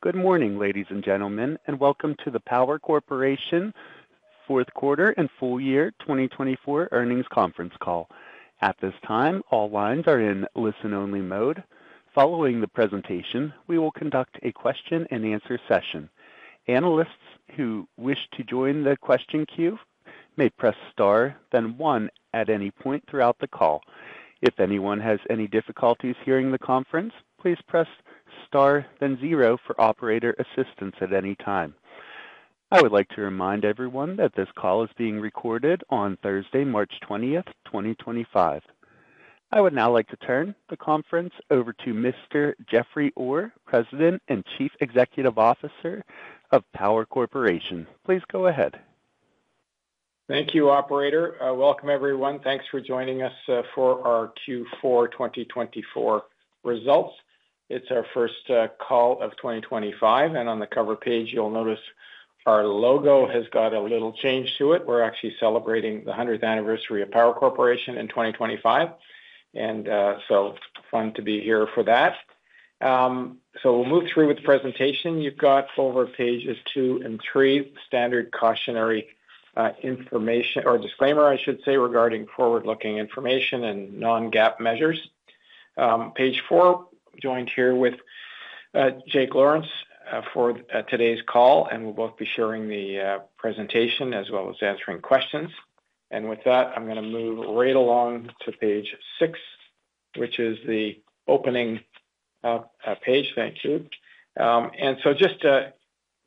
Good morning, ladies and gentlemen, and welcome to the Power Corporation Fourth Quarter and Full Year 2024 Earnings Conference Call. At this time, all lines are in listen-only mode. Following the presentation, we will conduct a question-and-answer session. Analysts who wish to join the question queue may press star, then one at any point throughout the call. If anyone has any difficulties hearing the conference, please press star, then zero for operator assistance at any time. I would like to remind everyone that this call is being recorded on Thursday, March 20th, 2025. I would now like to turn the conference over to Mr. Jeffrey Orr, President and Chief Executive Officer of Power Corporation of Canada. Please go ahead. Thank you, Operator. Welcome, everyone. Thanks for joining us for our Q4 2024 results. It's our first call of 2025, and on the cover page, you'll notice our logo has got a little change to it. We're actually celebrating the 100th anniversary of Power Corporation in 2025, and so fun to be here for that. We'll move through with the presentation. You've got over pages two and three, standard cautionary information or disclaimer, I should say, regarding forward-looking information and non-GAAP measures. Page four, joined here with Jake Lawrence for today's call, and we'll both be sharing the presentation as well as answering questions. With that, I'm going to move right along to page six, which is the opening page. Thank you. Just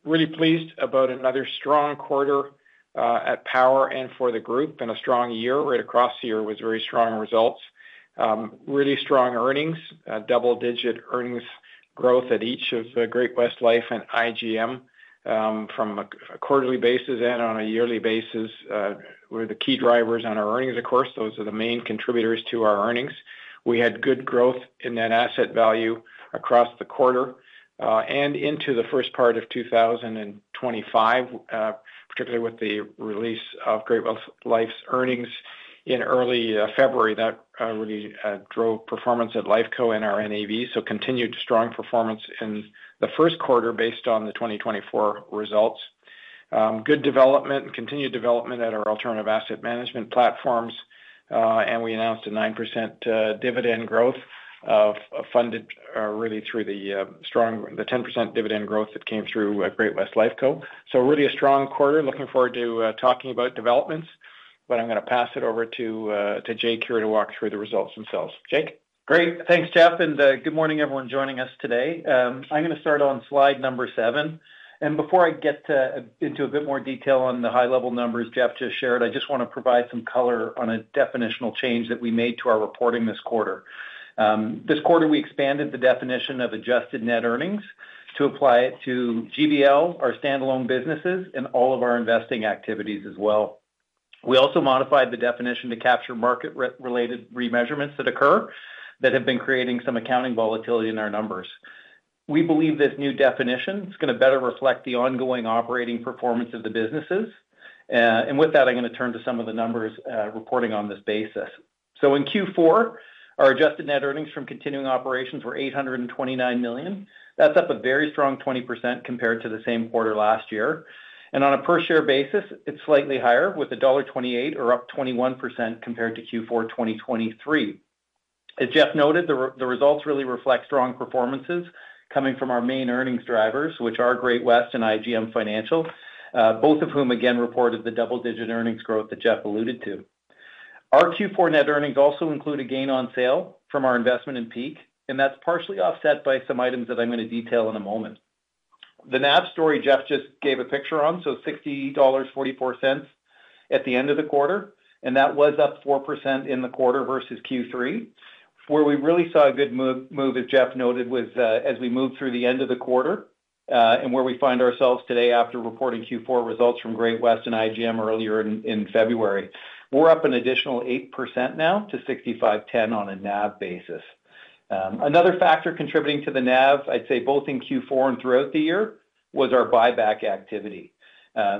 really pleased about another strong quarter at Power and for the group, and a strong year right across the year with very strong results. Really strong earnings, double-digit earnings growth at each of Great-West Lifeco and IGM from a quarterly basis and on a yearly basis were the key drivers on our earnings. Of course, those are the main contributors to our earnings. We had good growth in net asset value across the quarter and into the first part of 2025, particularly with the release of Great-West Lifeco's earnings in early February. That really drove performance at Lifeco and our NAV, so continued strong performance in the first quarter based on the 2024 results. Good development, continued development at our alternative asset management platforms, and we announced a 9% dividend growth funded really through the strong 10% dividend growth that came through Great-West Lifeco. Really a strong quarter. Looking forward to talking about developments, but I'm going to pass it over to Jake here to walk through the results themselves. Jake. Great. Thanks, Jeff, and good morning, everyone joining us today. I'm going to start on slide number seven. Before I get into a bit more detail on the high-level numbers Jeff just shared, I just want to provide some color on a definitional change that we made to our reporting this quarter. This quarter, we expanded the definition of adjusted net earnings to apply it to GBL, our standalone businesses, and all of our investing activities as well. We also modified the definition to capture market-related remeasurements that occur that have been creating some accounting volatility in our numbers. We believe this new definition is going to better reflect the ongoing operating performance of the businesses. With that, I'm going to turn to some of the numbers reporting on this basis. In Q4, our adjusted net earnings from continuing operations were 829 million. That's up a very strong 20% compared to the same quarter last year. On a per-share basis, it's slightly higher with $1.28 or up 21% compared to Q4 2023. As Jeff noted, the results really reflect strong performances coming from our main earnings drivers, which are Great-West Lifeco and IGM Financial, both of whom, again, reported the double-digit earnings growth that Jeff alluded to. Our Q4 net earnings also include a gain on sale from our investment in PEEK, and that's partially offset by some items that I'm going to detail in a moment. The NAV story, Jeff just gave a picture on, so $60.44 at the end of the quarter, and that was up 4% in the quarter versus Q3, where we really saw a good move, as Jeff noted, as we moved through the end of the quarter and where we find ourselves today after reporting Q4 results from Great-West Lifeco and IGM earlier in February. We're up an additional 8% now to 65.10 on a NAV basis. Another factor contributing to the NAV, I'd say both in Q4 and throughout the year, was our buyback activity.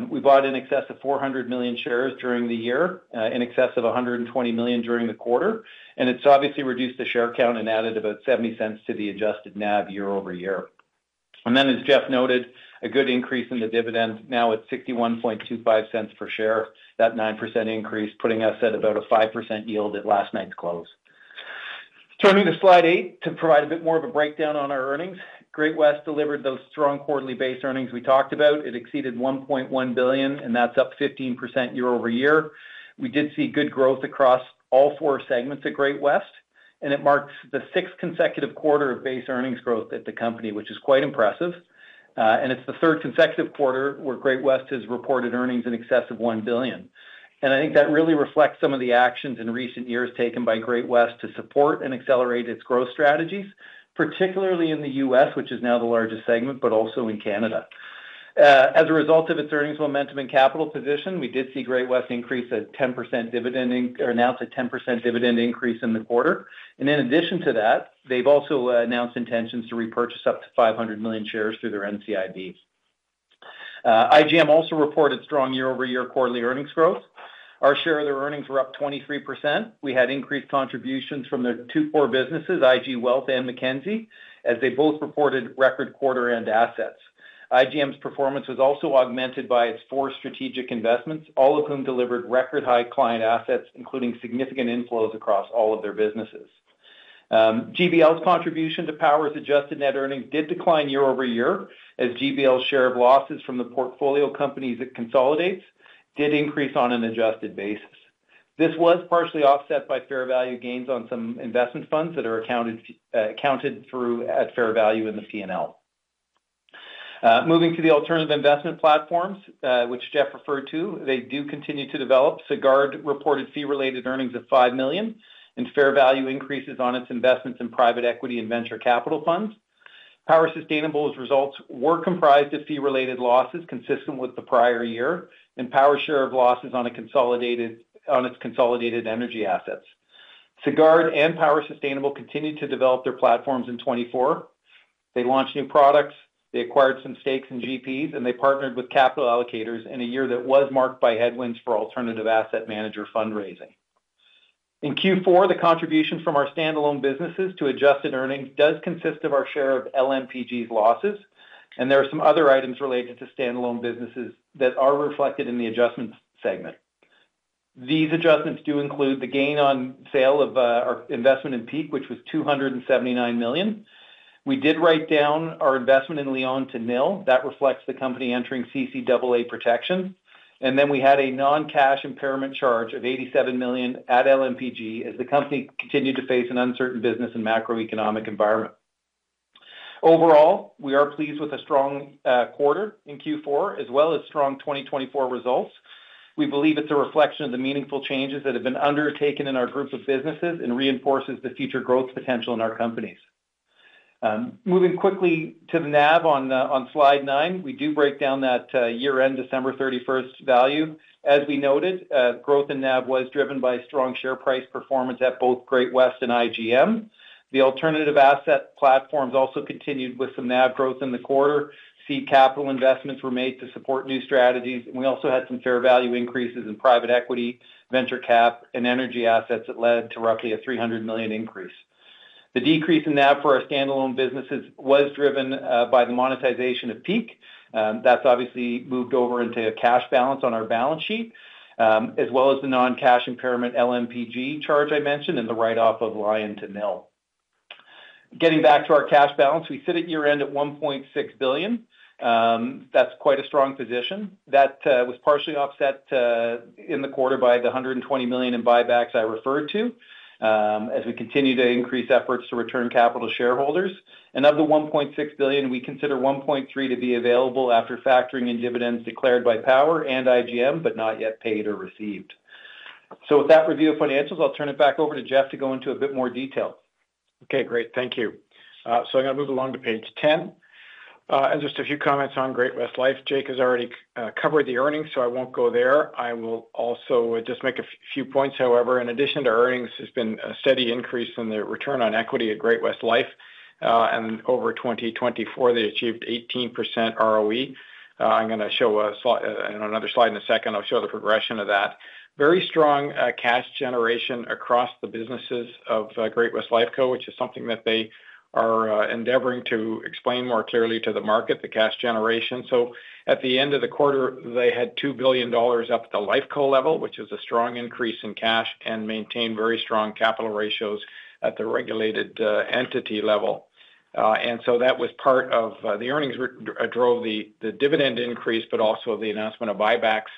We bought in excess of 400 million shares during the year, in excess of 120 million during the quarter, and it's obviously reduced the share count and added about $0.70 to the adjusted NAV year over year. As Jeff noted, a good increase in the dividend now at $0.6125 per share, that 9% increase putting us at about a 5% yield at last night's close. Turning to slide eight to provide a bit more of a breakdown on our earnings, Great-West delivered those strong quarterly base earnings we talked about. It exceeded 1.1 billion, and that's up 15% year over year. We did see good growth across all four segments at Great-West, and it marks the sixth consecutive quarter of base earnings growth at the company, which is quite impressive. It's the third consecutive quarter where Great-West has reported earnings in excess of $1 billion. I think that really reflects some of the actions in recent years taken by Great-West to support and accelerate its growth strategies, particularly in the US, which is now the largest segment, but also in Canada. As a result of its earnings momentum and capital position, we did see Great-West announce a 10% dividend increase in the quarter. In addition to that, they have also announced intentions to repurchase up to 500 million shares through their NCIB. IGM also reported strong year-over-year quarterly earnings growth. Our share of their earnings was up 23%. We had increased contributions from their two core businesses, IG Wealth and Mackenzie, as they both reported record quarter-end assets. IGM's performance was also augmented by its four strategic investments, all of whom delivered record-high client assets, including significant inflows across all of their businesses. GBL's contribution to Power's adjusted net earnings did decline year over year, as GBL's share of losses from the portfolio companies it consolidates did increase on an adjusted basis. This was partially offset by fair value gains on some investment funds that are accounted through at fair value in the P&L. Moving to the alternative investment platforms, which Jeff referred to, they do continue to develop. Sagard reported fee-related earnings of 5 million and fair value increases on its investments in private equity and venture capital funds. Power Sustainable's results were comprised of fee-related losses consistent with the prior year and Power's share of losses on its consolidated energy assets. Sagard and Power Sustainable continued to develop their platforms in 2024. They launched new products, they acquired some stakes in GPs, and they partnered with capital allocators in a year that was marked by headwinds for alternative asset manager fundraising. In Q4, the contribution from our standalone businesses to adjusted earnings does consist of our share of LMPG's losses, and there are some other items related to standalone businesses that are reflected in the adjustment segment. These adjustments do include the gain on sale of our investment in PEEK, which was 279 million. We did write down our investment in Leon's to Nil. That reflects the company entering CCAA protection. We had a non-cash impairment charge of 87 million at LMPG as the company continued to face an uncertain business and macroeconomic environment. Overall, we are pleased with a strong quarter in Q4, as well as strong 2024 results. We believe it's a reflection of the meaningful changes that have been undertaken in our group of businesses and reinforces the future growth potential in our companies. Moving quickly to the NAV on slide nine, we do break down that year-end December 31 value. As we noted, growth in NAV was driven by strong share price performance at both Great-West and IGM. The alternative asset platforms also continued with some NAV growth in the quarter. Seed capital investments were made to support new strategies, and we also had some fair value increases in private equity, venture capital, and energy assets that led to roughly a 300 million increase. The decrease in NAV for our standalone businesses was driven by the monetization of PEEK. That's obviously moved over into a cash balance on our balance sheet, as well as the non-cash impairment LMPG charge I mentioned and the write-off of Leon's to Nil. Getting back to our cash balance, we sit at year-end at 1.6 billion. That's quite a strong position. That was partially offset in the quarter by 120 million in buybacks I referred to as we continue to increase efforts to return capital to shareholders. Of the 1.6 billion, we consider 1.3 to be available after factoring in dividends declared by Power and IGM, but not yet paid or received. With that review of financials, I'll turn it back over to Jeff to go into a bit more detail. Okay, great. Thank you. I'm going to move along to page 10 and just a few comments on Great-West Lifeco. Jake has already covered the earnings, so I won't go there. I will also just make a few points. However, in addition to earnings, there's been a steady increase in the return on equity at Great-West Lifeco. Over 2024, they achieved 18% ROE. I'm going to show another slide in a second. I'll show the progression of that. Very strong cash generation across the businesses of Great-West Lifeco, which is something that they are endeavoring to explain more clearly to the market, the cash generation. At the end of the quarter, they had $2 billion up at the Lifeco level, which is a strong increase in cash and maintained very strong capital ratios at the regulated entity level. That was part of the earnings drove the dividend increase, but also the announcement of buybacks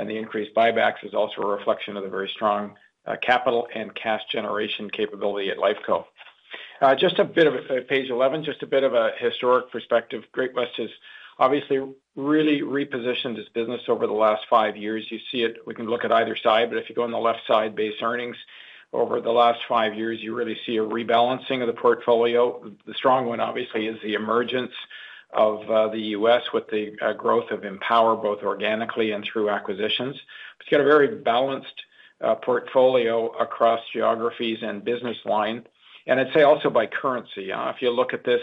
and the increased buybacks is also a reflection of the very strong capital and cash generation capability at LifeCo. Just a bit of page 11, just a bit of a historic perspective. Great-West has obviously really repositioned its business over the last five years. You see it. We can look at either side, but if you go on the left side, base earnings over the last five years, you really see a rebalancing of the portfolio. The strong one, obviously, is the emergence of the US with the growth of Empower, both organically and through acquisitions. It has got a very balanced portfolio across geographies and business line. I would say also by currency. If you look at this,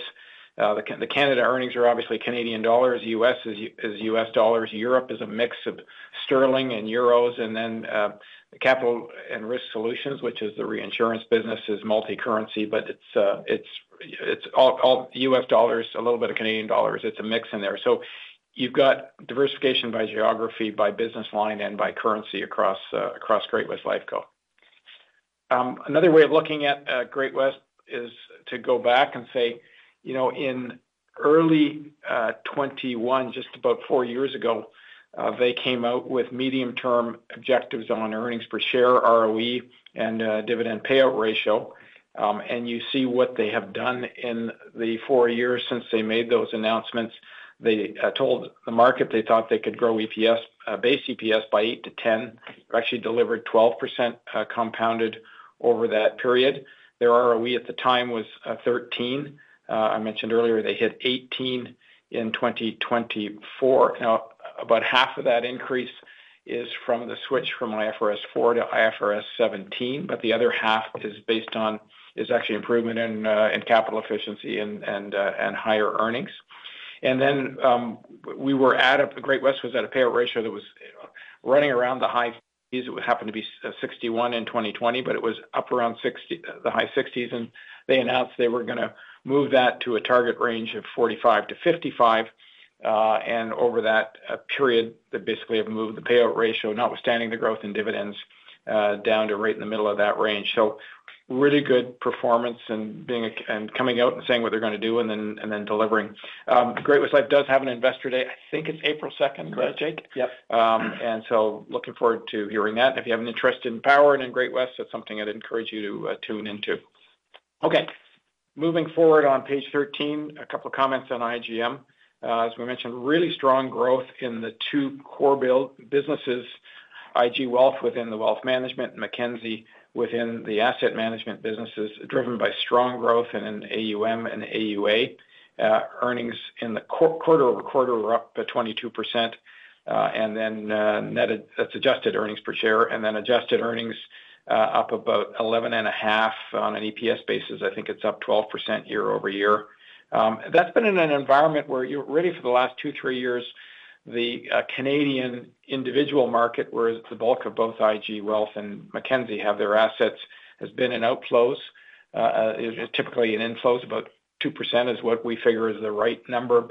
the Canada earnings are obviously Canadian dollars, US is US dollars, Europe is a mix of sterling and euros, and then Capital and Risk Solutions, which is the reinsurance business, is multi-currency, but it's all US dollars, a little bit of Canadian dollars. It's a mix in there. You have got diversification by geography, by business line, and by currency across Great-West Lifeco. Another way of looking at Great-West is to go back and say, you know, in early 2021, just about four years ago, they came out with medium-term objectives on earnings per share, ROE, and dividend payout ratio. You see what they have done in the four years since they made those announcements. They told the market they thought they could grow base EPS by 8%-10%. They actually delivered 12% compounded over that period. Their ROE at the time was 13. I mentioned earlier they hit 18 in 2024. Now, about half of that increase is from the switch from IFRS 4 to IFRS 17, but the other half is actually improvement in capital efficiency and higher earnings. We were at a Great-West was at a payout ratio that was running around the highs. It happened to be 61 in 2020, but it was up around the high 60s. They announced they were going to move that to a target range of 45-55. Over that period, they basically have moved the payout ratio, notwithstanding the growth in dividends, down to right in the middle of that range. Really good performance and coming out and saying what they're going to do and then delivering. Great-West Life does have an investor day. I think it's April 2nd, right, Jake? Yep. Looking forward to hearing that. If you have an interest in Power and in Great-West, that's something I'd encourage you to tune into. Moving forward on page 13, a couple of comments on IGM. As we mentioned, really strong growth in the two core businesses, IG Wealth within the wealth management and Mackenzie within the asset management businesses, driven by strong growth in AUM and AUA. Earnings in the quarter-over-quarter were up by 22%. Net adjusted earnings per share and then adjusted earnings up about 11.5% on an EPS basis. I think it's up 12% year over year. That's been in an environment where really for the last two, three years, the Canadian individual market, where the bulk of both IG Wealth and Mackenzie have their assets, has been in outflows. Typically in inflows, about 2% is what we figure is the right number.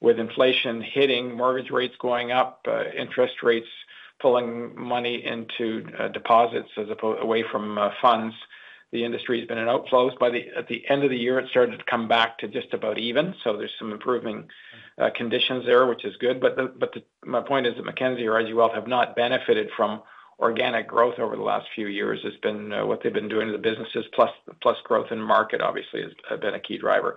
With inflation hitting, mortgage rates going up, interest rates pulling money into deposits away from funds, the industry has been in outflows. By the end of the year, it started to come back to just about even. There are some improving conditions there, which is good. My point is that Mackenzie or IG Wealth have not benefited from organic growth over the last few years. It has been what they have been doing to the businesses, plus growth in market, obviously, has been a key driver.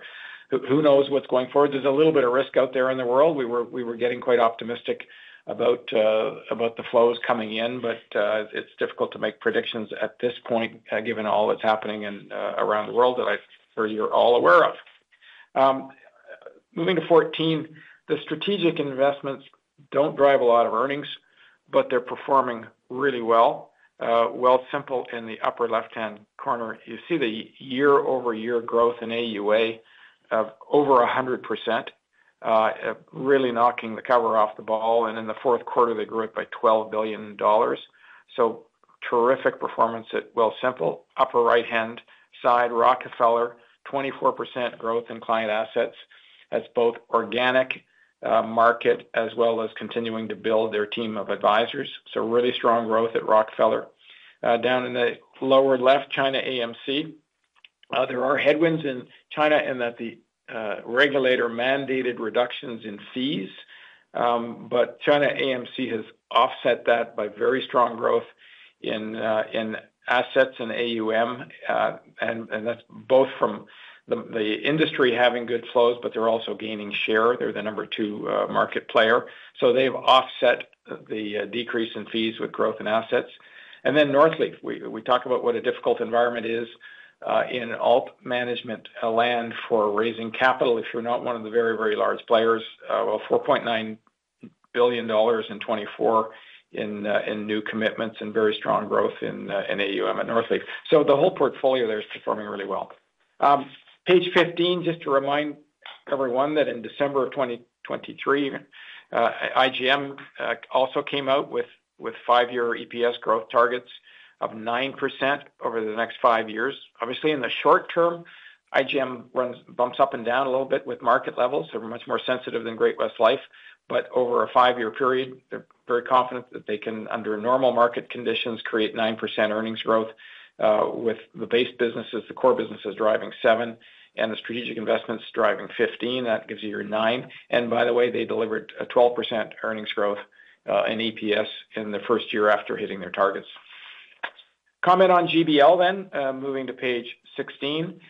Who knows what is going forward? There is a little bit of risk out there in the world. We were getting quite optimistic about the flows coming in, but it is difficult to make predictions at this point, given all that is happening around the world that I am sure you are all aware of. Moving to 14, the strategic investments don't drive a lot of earnings, but they're performing really well. Wealthsimple in the upper left-hand corner, you see the year-over-year growth in AUA of over 100%, really knocking the cover off the ball. In the fourth quarter, they grew it by $12 billion. Terrific performance at Wealthsimple. Upper right-hand side, Rockefeller, 24% growth in client assets as both organic market as well as continuing to build their team of advisors. Really strong growth at Rockefeller. Down in the lower left, China AMC. There are headwinds in China in that the regulator mandated reductions in fees, but China AMC has offset that by very strong growth in assets and AUM. That's both from the industry having good flows, but they're also gaining share. They're the number two market player. They have offset the decrease in fees with growth in assets. Northleaf, we talk about what a difficult environment it is in alt management land for raising capital. If you are not one of the very, very large players, $4.9 billion in 2024 in new commitments and very strong growth in AUM at Northleaf. The whole portfolio there is performing really well. Page 15, just to remind everyone that in December of 2023, IGM also came out with five-year EPS growth targets of 9% over the next five years. Obviously, in the short term, IGM bumps up and down a little bit with market levels. They are much more sensitive than Great-West Lifeco. Over a five-year period, they are very confident that they can, under normal market conditions, create 9% earnings growth with the base businesses, the core businesses driving 7%, and the strategic investments driving 15%. That gives you your 9%. By the way, they delivered a 12% earnings growth in EPS in the first year after hitting their targets. Comment on GBL then, moving to page 16.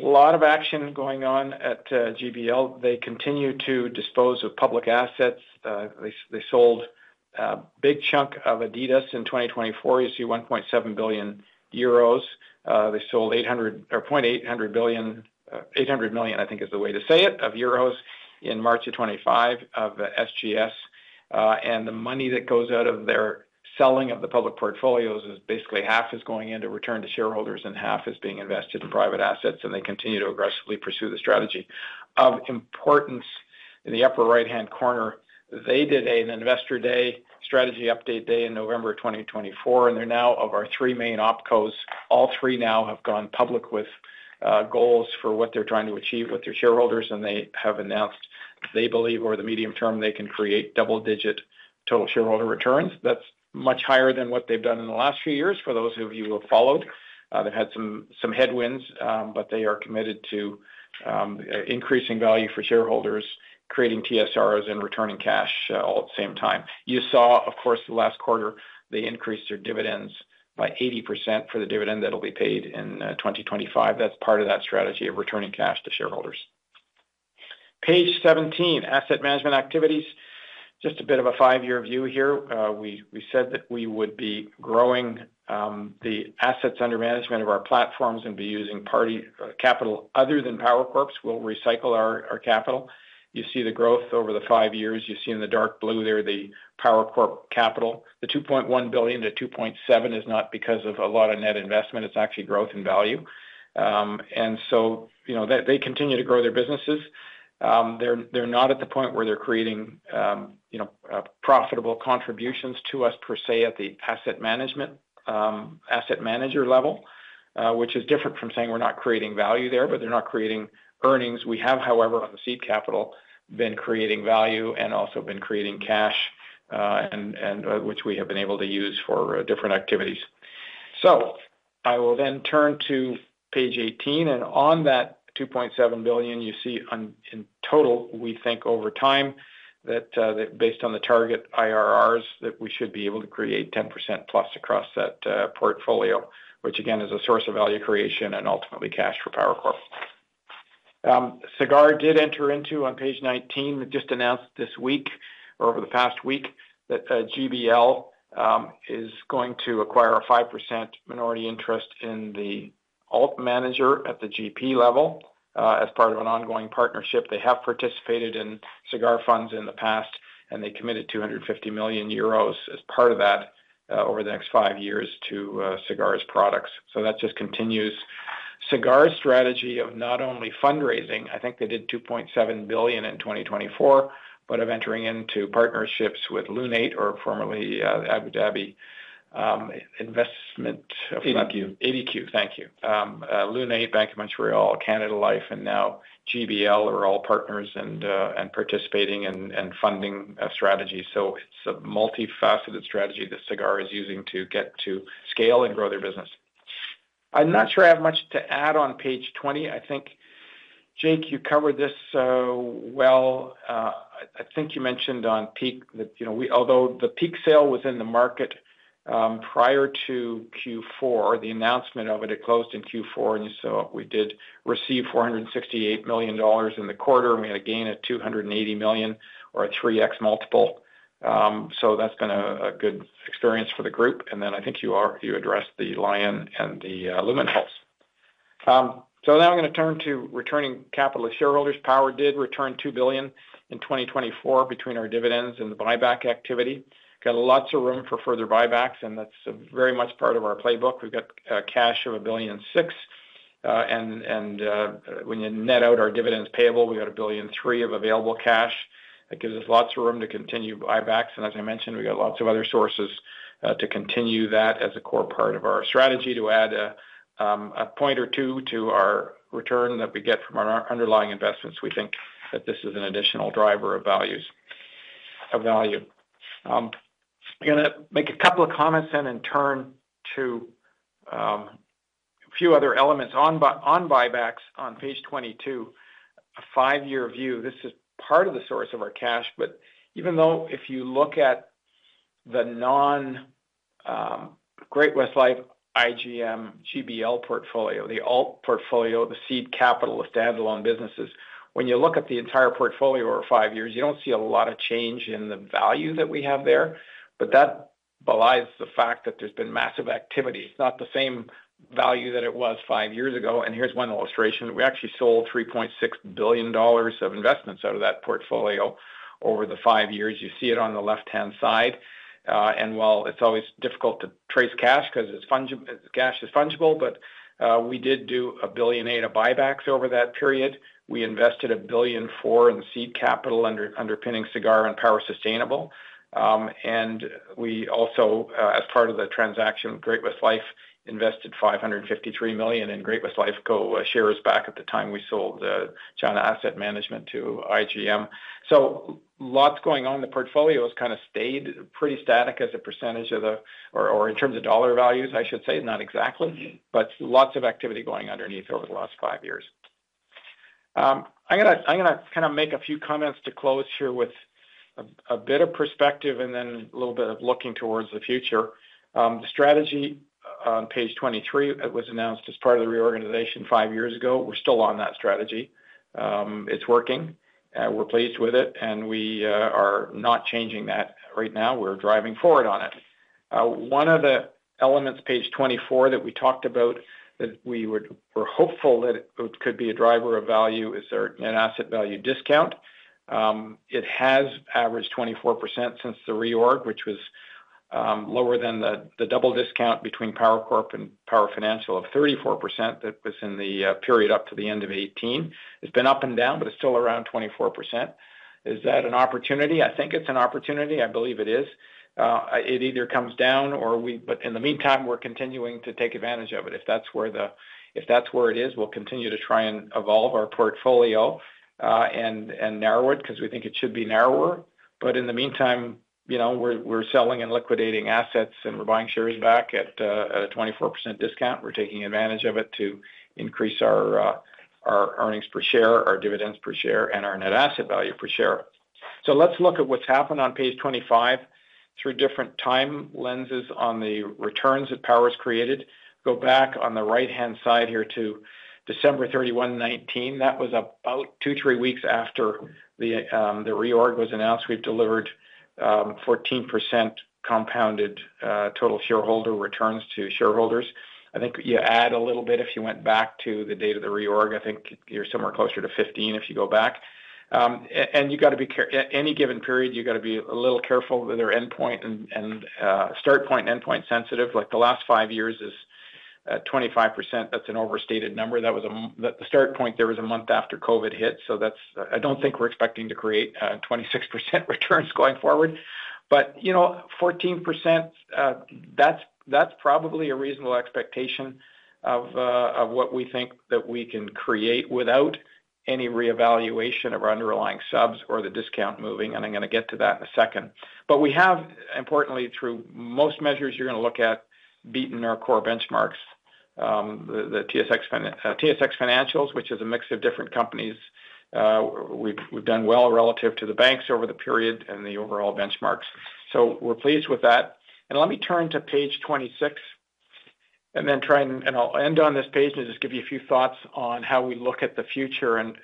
A lot of action going on at GBL. They continue to dispose of public assets. They sold a big chunk of Adidas in 2024. You see 1.7 billion euros. They sold 800 million, I think is the way to say it, in March of 2025 of SGS. The money that goes out of their selling of the public portfolios is basically half is going into return to shareholders and half is being invested in private assets. They continue to aggressively pursue the strategy. Of importance, in the upper right-hand corner, they did an investor day, strategy update day in November of 2024. Our three main Opcos, all three now have gone public with goals for what they're trying to achieve with their shareholders. They have announced they believe, over the medium term, they can create double-digit total shareholder returns. That's much higher than what they've done in the last few years for those of you who have followed. They've had some headwinds, but they are committed to increasing value for shareholders, creating TSRs and returning cash all at the same time. You saw, of course, the last quarter, they increased their dividends by 80% for the dividend that will be paid in 2025. That's part of that strategy of returning cash to shareholders. Page 17, asset management activities. Just a bit of a five-year view here. We said that we would be growing the assets under management of our platforms and be using capital other than Power Corporation's. We'll recycle our capital. You see the growth over the five years. You see in the dark blue there the Power Corporation capital. The 2.1 billion- 2.7 billion is not because of a lot of net investment. It's actually growth in value. You see they continue to grow their businesses. They're not at the point where they're creating profitable contributions to us per se at the asset management asset manager level, which is different from saying we're not creating value there, but they're not creating earnings. We have, however, on the seed capital, been creating value and also been creating cash, which we have been able to use for different activities. I will then turn to page 18 on that 2.7 billion, you see in total, we think over time that based on the target IRRs, we should be able to create 10%+ across that portfolio, which again is a source of value creation and ultimately cash for Power Corporation. Sagard did enter into, on page 19, just announced this week or over the past week, that GBL is going to acquire a 5% minority interest in the alt manager at the GP level as part of an ongoing partnership. They have participated in Sagard funds in the past, and they committed 250 million euros as part of that over the next five years to Sagard's products. That just continues Sagard's strategy of not only fundraising. I think they did 2.7 billion in 2024, but of entering into partnerships with Lunate, or formerly Abu Dhabi Investment. ADQ. Thank you. Lunate, Bank of Montreal, Canada Life, and now GBL are all partners and participating in funding strategies. It is a multifaceted strategy that Sagard is using to get to scale and grow their business. I am not sure I have much to add on page 20. I think, Jake, you covered this well. I think you mentioned on Peak that although the Peak sale was in the market prior to Q4, the announcement of it, it closed in Q4. We did receive $468 million in the quarter. We had a gain of $280 million or a 3X multiple. That has been a good experience for the group. I think you addressed the Leon's and the Lumenpulse. I am going to turn to returning capital to shareholders. Power did return 2 billion in 2024 between our dividends and the buyback activity. Got lots of room for further buybacks, and that's very much part of our playbook. We've got cash of 1.6 billion. When you net out our dividends payable, we got 1.3 billion of available cash. That gives us lots of room to continue buybacks. As I mentioned, we got lots of other sources to continue that as a core part of our strategy to add a point or two to our return that we get from our underlying investments. We think that this is an additional driver of value. I'm going to make a couple of comments and then turn to a few other elements on buybacks on page 22, a five-year view. This is part of the source of our cash. Even though if you look at the non-Great-West Lifeco, IGM, GBL portfolio, the alt portfolio, the seed capital of standalone businesses, when you look at the entire portfolio over five years, you do not see a lot of change in the value that we have there. That belies the fact that there has been massive activity. It is not the same value that it was five years ago. Here is one illustration. We actually sold $3.6 billion of investments out of that portfolio over the five years. You see it on the left-hand side. While it is always difficult to trace cash because cash is fungible, we did do 1.8 billion of buybacks over that period. We invested 1.4 billion in seed capital underpinning Sagard and Power Sustainable. We also, as part of the transaction, Great-West Lifeco invested 553 million in Great-West Lifeco shares back at the time we sold China AMC to IGM. Lots going on. The portfolio has kind of stayed pretty static as a percentage of the, or in terms of dollar values, I should say, not exactly. Lots of activity going underneath over the last five years. I'm going to make a few comments to close here with a bit of perspective and then a little bit of looking towards the future. The strategy on page 23, it was announced as part of the reorganization five years ago. We're still on that strategy. It's working. We're pleased with it. We are not changing that right now. We're driving forward on it. One of the elements, page 24, that we talked about that we were hopeful that it could be a driver of value is an asset value discount. It has averaged 24% since the reorg, which was lower than the double discount between Power Corporation and Power Financial of 34% that was in the period up to the end of 2018. It's been up and down, but it's still around 24%. Is that an opportunity? I think it's an opportunity. I believe it is. It either comes down or we, but in the meantime, we're continuing to take advantage of it. If that's where it is, we'll continue to try and evolve our portfolio and narrow it because we think it should be narrower. In the meantime, we're selling and liquidating assets, and we're buying shares back at a 24% discount. We're taking advantage of it to increase our earnings per share, our dividends per share, and our net asset value per share. Let's look at what's happened on page 25 through different time lenses on the returns that Power has created. Go back on the right-hand side here to 31 December, 2019. That was about two, three weeks after the reorg was announced. We've delivered 14% compounded total shareholder returns to shareholders. I think you add a little bit if you went back to the date of the reorg. I think you're somewhere closer to 15% if you go back. You have to be careful. At any given period, you have to be a little careful with their endpoint and start point and endpoint sensitive. Like the last five years is 25%. That's an overstated number. That was the start point. There was a month after COVID hit. I don't think we're expecting to create 26% returns going forward. 14%, that's probably a reasonable expectation of what we think that we can create without any reevaluation of our underlying subs or the discount moving. I'm going to get to that in a second. We have, importantly, through most measures, you're going to look at beating our core benchmarks, the TSX Financials, which is a mix of different companies. We've done well relative to the banks over the period and the overall benchmarks. We're pleased with that. Let me turn to page 26 and then try and I'll end on this page and just give you a few thoughts on how we look at the future and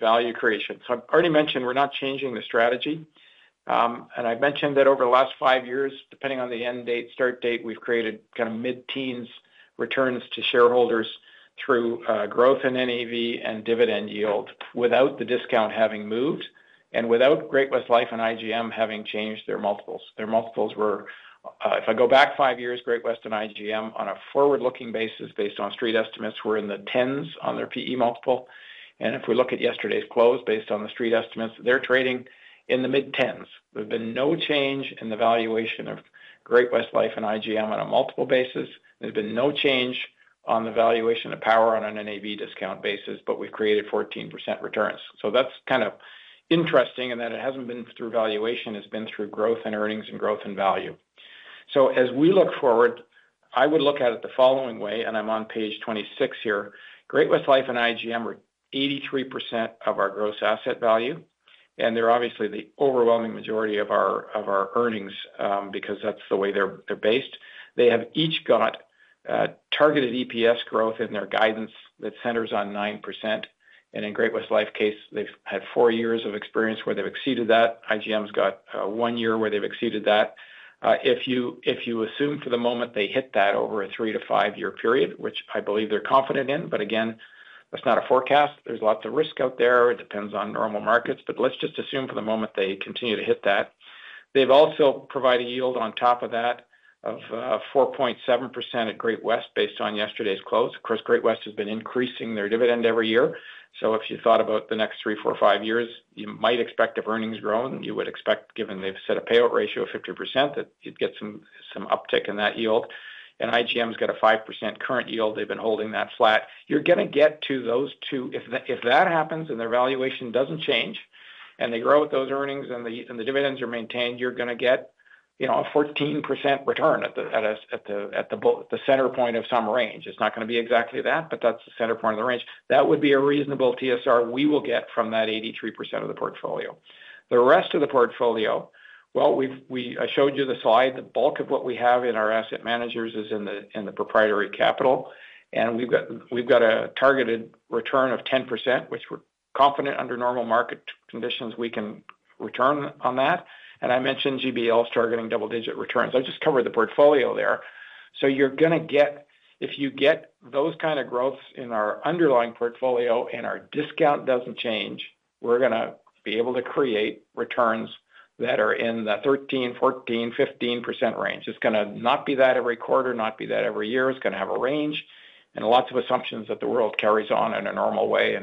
value creation. I already mentioned we're not changing the strategy. I mentioned that over the last five years, depending on the end date, start date, we've created kind of mid-teens returns to shareholders through growth in NAV and dividend yield without the discount having moved and without Great-West Lifeco and IGM having changed their multiples. Their multiples were, if I go back five years, Great-West and IGM on a forward-looking basis based on street estimates, were in the tens on their PE multiple. If we look at yesterday's close based on the street estimates, they're trading in the mid-teens. There's been no change in the valuation of Great-West Lifeco and IGM on a multiple basis. There's been no change on the valuation of Power on an NAV discount basis, but we've created 14% returns. That is kind of interesting in that it hasn't been through valuation. It's been through growth and earnings and growth and value. As we look forward, I would look at it the following way, and I'm on page 26 here. Great-West Lifeco and IGM are 83% of our gross asset value. They're obviously the overwhelming majority of our earnings because that's the way they're based. They have each got targeted EPS growth in their guidance that centers on 9%. In Great-West Lifeco's case, they've had four years of experience where they've exceeded that. IGM's got one year where they've exceeded that. If you assume for the moment they hit that over a three- to five-year period, which I believe they're confident in, but again, that's not a forecast. There's lots of risk out there. It depends on normal markets. Let's just assume for the moment they continue to hit that. They've also provided yield on top of that of 4.7% at Great-West based on yesterday's close. Of course, Great-West has been increasing their dividend every year. If you thought about the next three, four, five years, you might expect if earnings grow, and you would expect, given they've set a payout ratio of 50%, that you'd get some uptick in that yield. IGM's got a 5% current yield. They've been holding that flat. You're going to get to those two. If that happens and their valuation doesn't change and they grow with those earnings and the dividends are maintained, you're going to get a 14% return at the center point of some range. It's not going to be exactly that, but that's the center point of the range. That would be a reasonable TSR we will get from that 83% of the portfolio. The rest of the portfolio, I showed you the slide. The bulk of what we have in our asset managers is in the proprietary capital. And we've got a targeted return of 10%, which we're confident under normal market conditions we can return on that. I mentioned GBL's targeting double-digit returns. I just covered the portfolio there. You're going to get, if you get those kind of growths in our underlying portfolio and our discount does not change, we're going to be able to create returns that are in the 13, 14, 15% range. It is not going to be that every quarter, not be that every year. It is going to have a range and lots of assumptions that the world carries on in a normal way.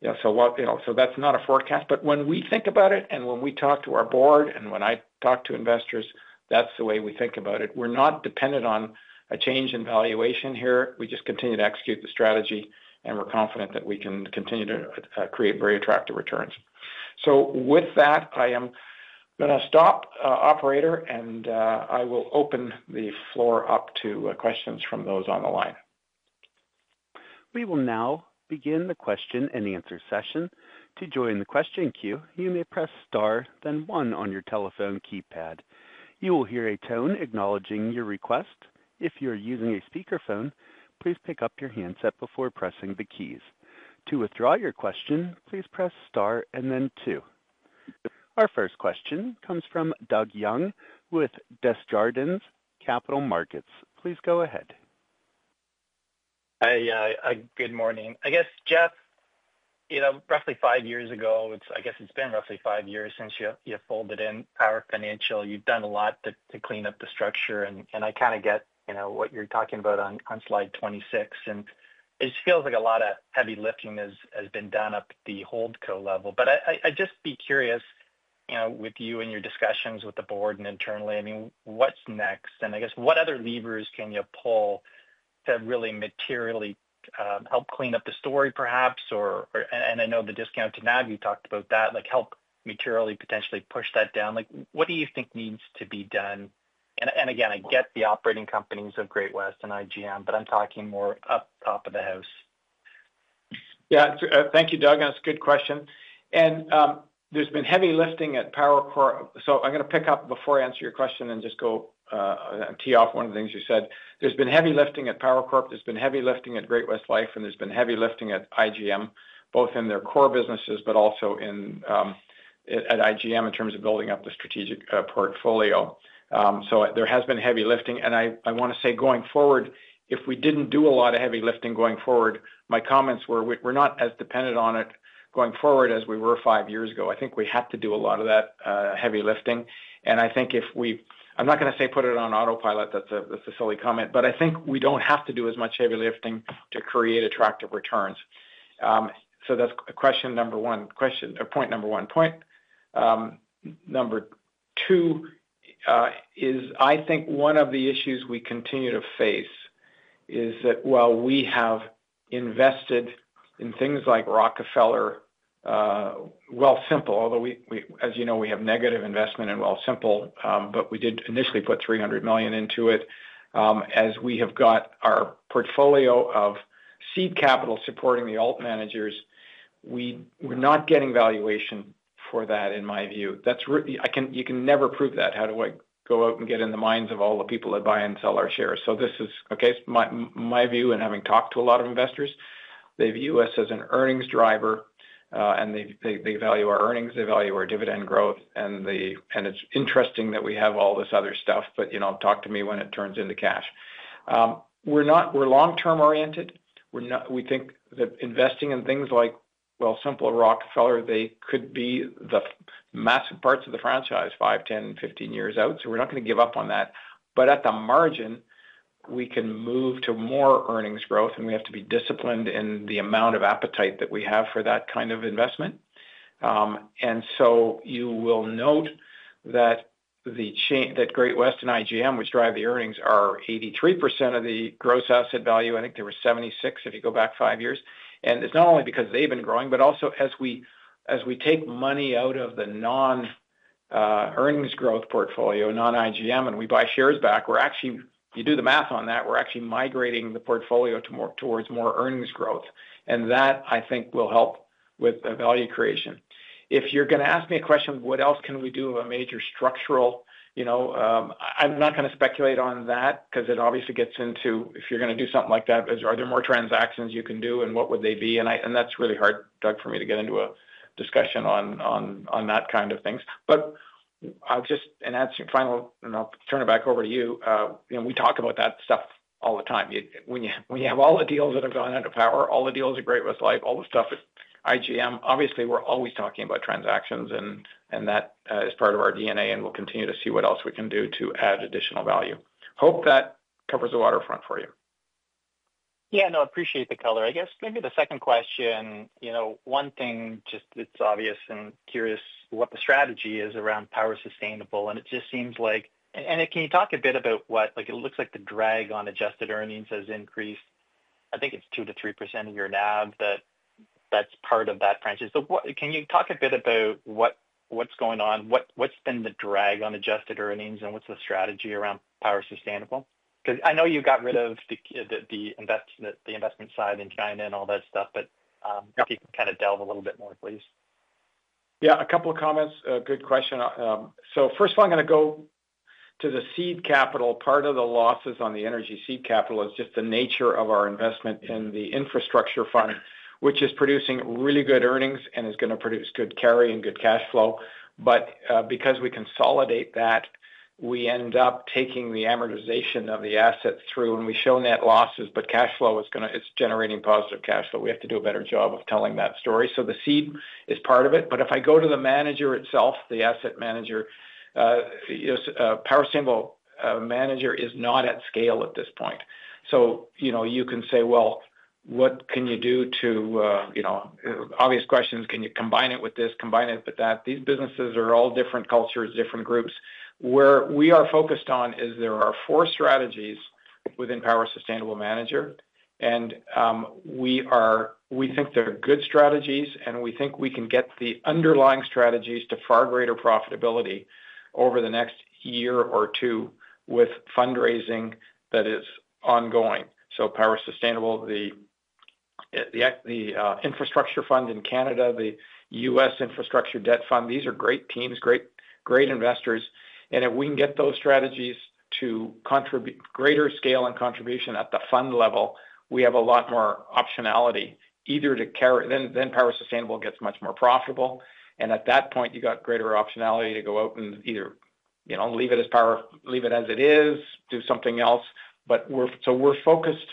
That is not a forecast. When we think about it and when we talk to our board and when I talk to investors, that's the way we think about it. We're not dependent on a change in valuation here. We just continue to execute the strategy, and we're confident that we can continue to create very attractive returns. With that, I am going to stop, Operator, and I will open the floor up to questions from those on the line. We will now begin the question and answer session. To join the question queue, you may press star, then one on your telephone keypad. You will hear a tone acknowledging your request. If you're using a speakerphone, please pick up your handset before pressing the keys. To withdraw your question, please press star and then two. Our first question comes from Doug Young with Desjardins Capital Markets. Please go ahead. Hi. Good morning. I guess, Jeff, roughly five years ago, I guess it's been roughly five years since you've folded in Power Financial. You've done a lot to clean up the structure. I kind of get what you're talking about on slide 26. It just feels like a lot of heavy lifting has been done up at the hold co level. I'd just be curious with you and your discussions with the board and internally, I mean, what's next? I guess what other levers can you pull to really materially help clean up the story, perhaps? I know the discount to NAV, you talked about that, help materially potentially push that down. What do you think needs to be done? I get the operating companies of Great-West and IGM, but I'm talking more up top of the house. Yeah. Thank you, Doug. That's a good question. There's been heavy lifting at Power Corporation. I am going to pick up before I answer your question and just tee off one of the things you said. There's been heavy lifting at Power Corporation. There's been heavy lifting at Great-West Lifeco, and there's been heavy lifting at IGM, both in their core businesses, but also at IGM in terms of building up the strategic portfolio. There has been heavy lifting. I want to say going forward, if we did not do a lot of heavy lifting going forward, my comments were we are not as dependent on it going forward as we were five years ago. I think we have to do a lot of that heavy lifting. I think if we, I am not going to say put it on autopilot. That's a silly comment. I think we do not have to do as much heavy lifting to create attractive returns. That is question number one, question or point number one. Point number two is, I think one of the issues we continue to face is that, well, we have invested in things like Rockefeller, Wealthsimple, although, as you know, we have negative investment in Wealthsimple, but we did initially put 300 million into it. As we have got our portfolio of seed capital supporting the alt managers, we are not getting valuation for that, in my view. You can never prove that. How do I go out and get in the minds of all the people that buy and sell our shares? This is my view and having talked to a lot of investors. They view us as an earnings driver, and they value our earnings. They value our dividend growth. It is interesting that we have all this other stuff, but talk to me when it turns into cash. We are long-term oriented. We think that investing in things like Wealthsimple, Rockefeller, they could be the massive parts of the franchise 5, 10, 15 years out. We are not going to give up on that. But at the margin, we can move to more earnings growth, and we have to be disciplined in the amount of appetite that we have for that kind of investment. You will note that Great-West Lifeco and IGM Financial, which drive the earnings, are 83% of the gross asset value. I think they were 76% if you go back five years. It is not only because they have been growing, but also as we take money out of the non-earnings growth portfolio, non-IGM, and we buy shares back, you do the math on that, we are actually migrating the portfolio towards more earnings growth. That, I think, will help with value creation. If you are going to ask me a question, what else can we do of a major structural? I am not going to speculate on that because it obviously gets into, if you are going to do something like that, are there more transactions you can do, and what would they be? That is really hard, Doug, for me to get into a discussion on that kind of things. Just an answer, final, and I will turn it back over to you. We talk about that stuff all the time. When you have all the deals that have gone under Power, all the deals at Great-West Lifeco, all the stuff at IGM, obviously, we're always talking about transactions, and that is part of our DNA, and we'll continue to see what else we can do to add additional value. Hope that covers the waterfront for you. Yeah. No, I appreciate the color. I guess maybe the second question, one thing just that's obvious and curious what the strategy is around Power Sustainable. It just seems like, and can you talk a bit about what, it looks like the drag on adjusted earnings has increased. I think it's 2 to 3% of your NAV that that's part of that franchise. Can you talk a bit about what's going on? What's been the drag on adjusted earnings, and what's the strategy around Power Sustainable? I know you got rid of the investment side in China and all that stuff, but if you can kind of delve a little bit more, please. Yeah. A couple of comments. Good question. First of all, I'm going to go to the seed capital. Part of the losses on the energy seed capital is just the nature of our investment in the infrastructure fund, which is producing really good earnings and is going to produce good carry and good cash flow. Because we consolidate that, we end up taking the amortization of the assets through, and we show net losses, but cash flow is generating positive cash flow. We have to do a better job of telling that story. The seed is part of it. If I go to the manager itself, the asset manager, Power Simple manager is not at scale at this point. You can say, well, what can you do to obvious questions, can you combine it with this, combine it with that? These businesses are all different cultures, different groups. Where we are focused on is there are four strategies within Power Sustainable Manager. We think they are good strategies, and we think we can get the underlying strategies to far greater profitability over the next year or two with fundraising that is ongoing. Power Sustainable, the infrastructure fund in Canada, the US infrastructure debt fund, these are great teams, great investors. If we can get those strategies to greater scale and contribution at the fund level, we have a lot more optionality either to carry, then Power Sustainable gets much more profitable. At that point, you have greater optionality to go out and either leave it as Power, leave it as it is, do something else. We're focused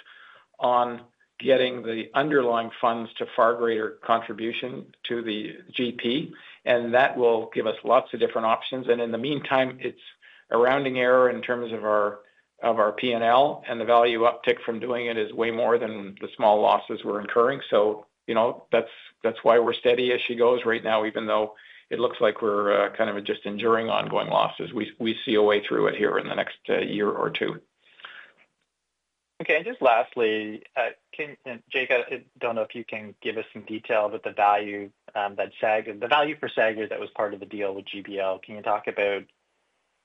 on getting the underlying funds to far greater contribution to the GP, and that will give us lots of different options. In the meantime, it's a rounding error in terms of our P&L, and the value uptick from doing it is way more than the small losses we're incurring. That's why we're steady as she goes right now, even though it looks like we're kind of just enduring ongoing losses. We see a way through it here in the next year or two. Okay. Just lastly, Jake, I do not know if you can give us some detail, but the value that Sagard, the value for Sagard that was part of the deal with GBL. Can you talk about,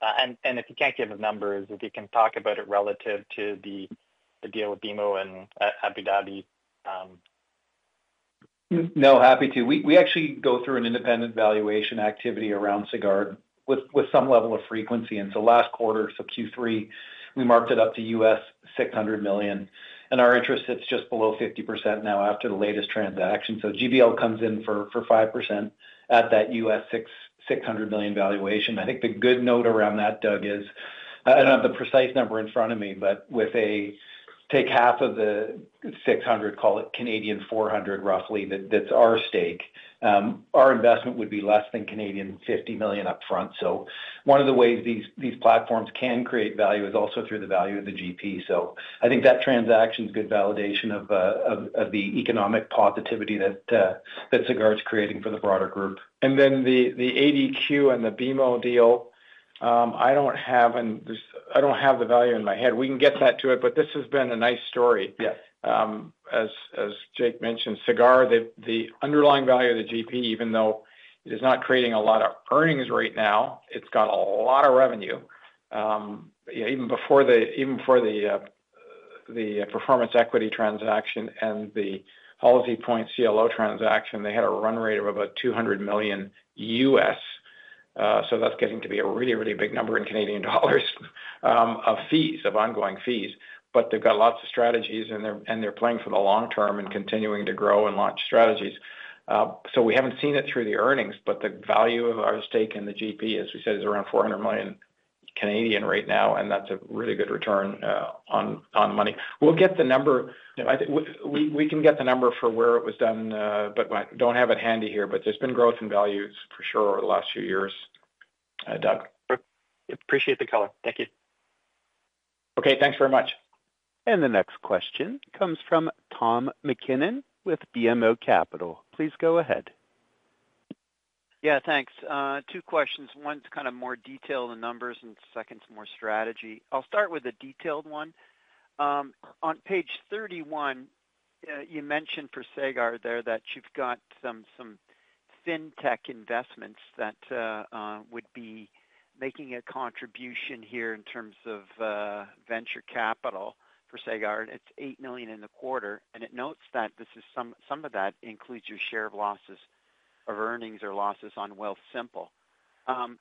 and if you cannot give numbers, if you can talk about it relative to the deal with BMO and Abu Dhabi? No, happy to. We actually go through an independent valuation activity around Sagard with some level of frequency. Last quarter, so Q3, we marked it up to $600 million. Our interest, it's just below 50% now after the latest transaction. GBL comes in for 5% at that $600 million valuation. I think the good note around that, Doug, is I don't have the precise number in front of me, but if we take half of the 600, call it 400 roughly, that's our stake. Our investment would be less than 50 million upfront. One of the ways these platforms can create value is also through the value of the GP. I think that transaction is good validation of the economic positivity that Sagard is creating for the broader group. The ADQ and the BMO deal, I do not have the value in my head. We can get back to it, but this has been a nice story. As Jake mentioned, Sagard, the underlying value of the GP, even though it is not creating a lot of earnings right now, it has a lot of revenue. Even before the performance equity transaction and the HalseyPoint CLO transaction, they had a run rate of about 200 million US. That is getting to be a really, really big number in CAD dollars of fees, of ongoing fees. They have lots of strategies, and they are playing for the long term and continuing to grow and launch strategies. We have not seen it through the earnings, but the value of our stake in the GP, as we said, is around 400 million right now, and that is a really good return on money. We will get the number. We can get the number for where it was done, but I do not have it handy here. There has been growth in values for sure over the last few years, Doug. Appreciate the color. Thank you. Okay. Thanks very much. The next question comes from Tom MacKinnon with BMO Capital. Please go ahead. Yeah. Thanks. Two questions. One's kind of more detailed in numbers and second's more strategy. I'll start with the detailed one. On page 31, you mentioned for Sagard there that you've got some fintech investments that would be making a contribution here in terms of venture capital for Sagard. It's 8 million in the quarter. And it notes that some of that includes your share of losses of earnings or losses on Wealthsimple. The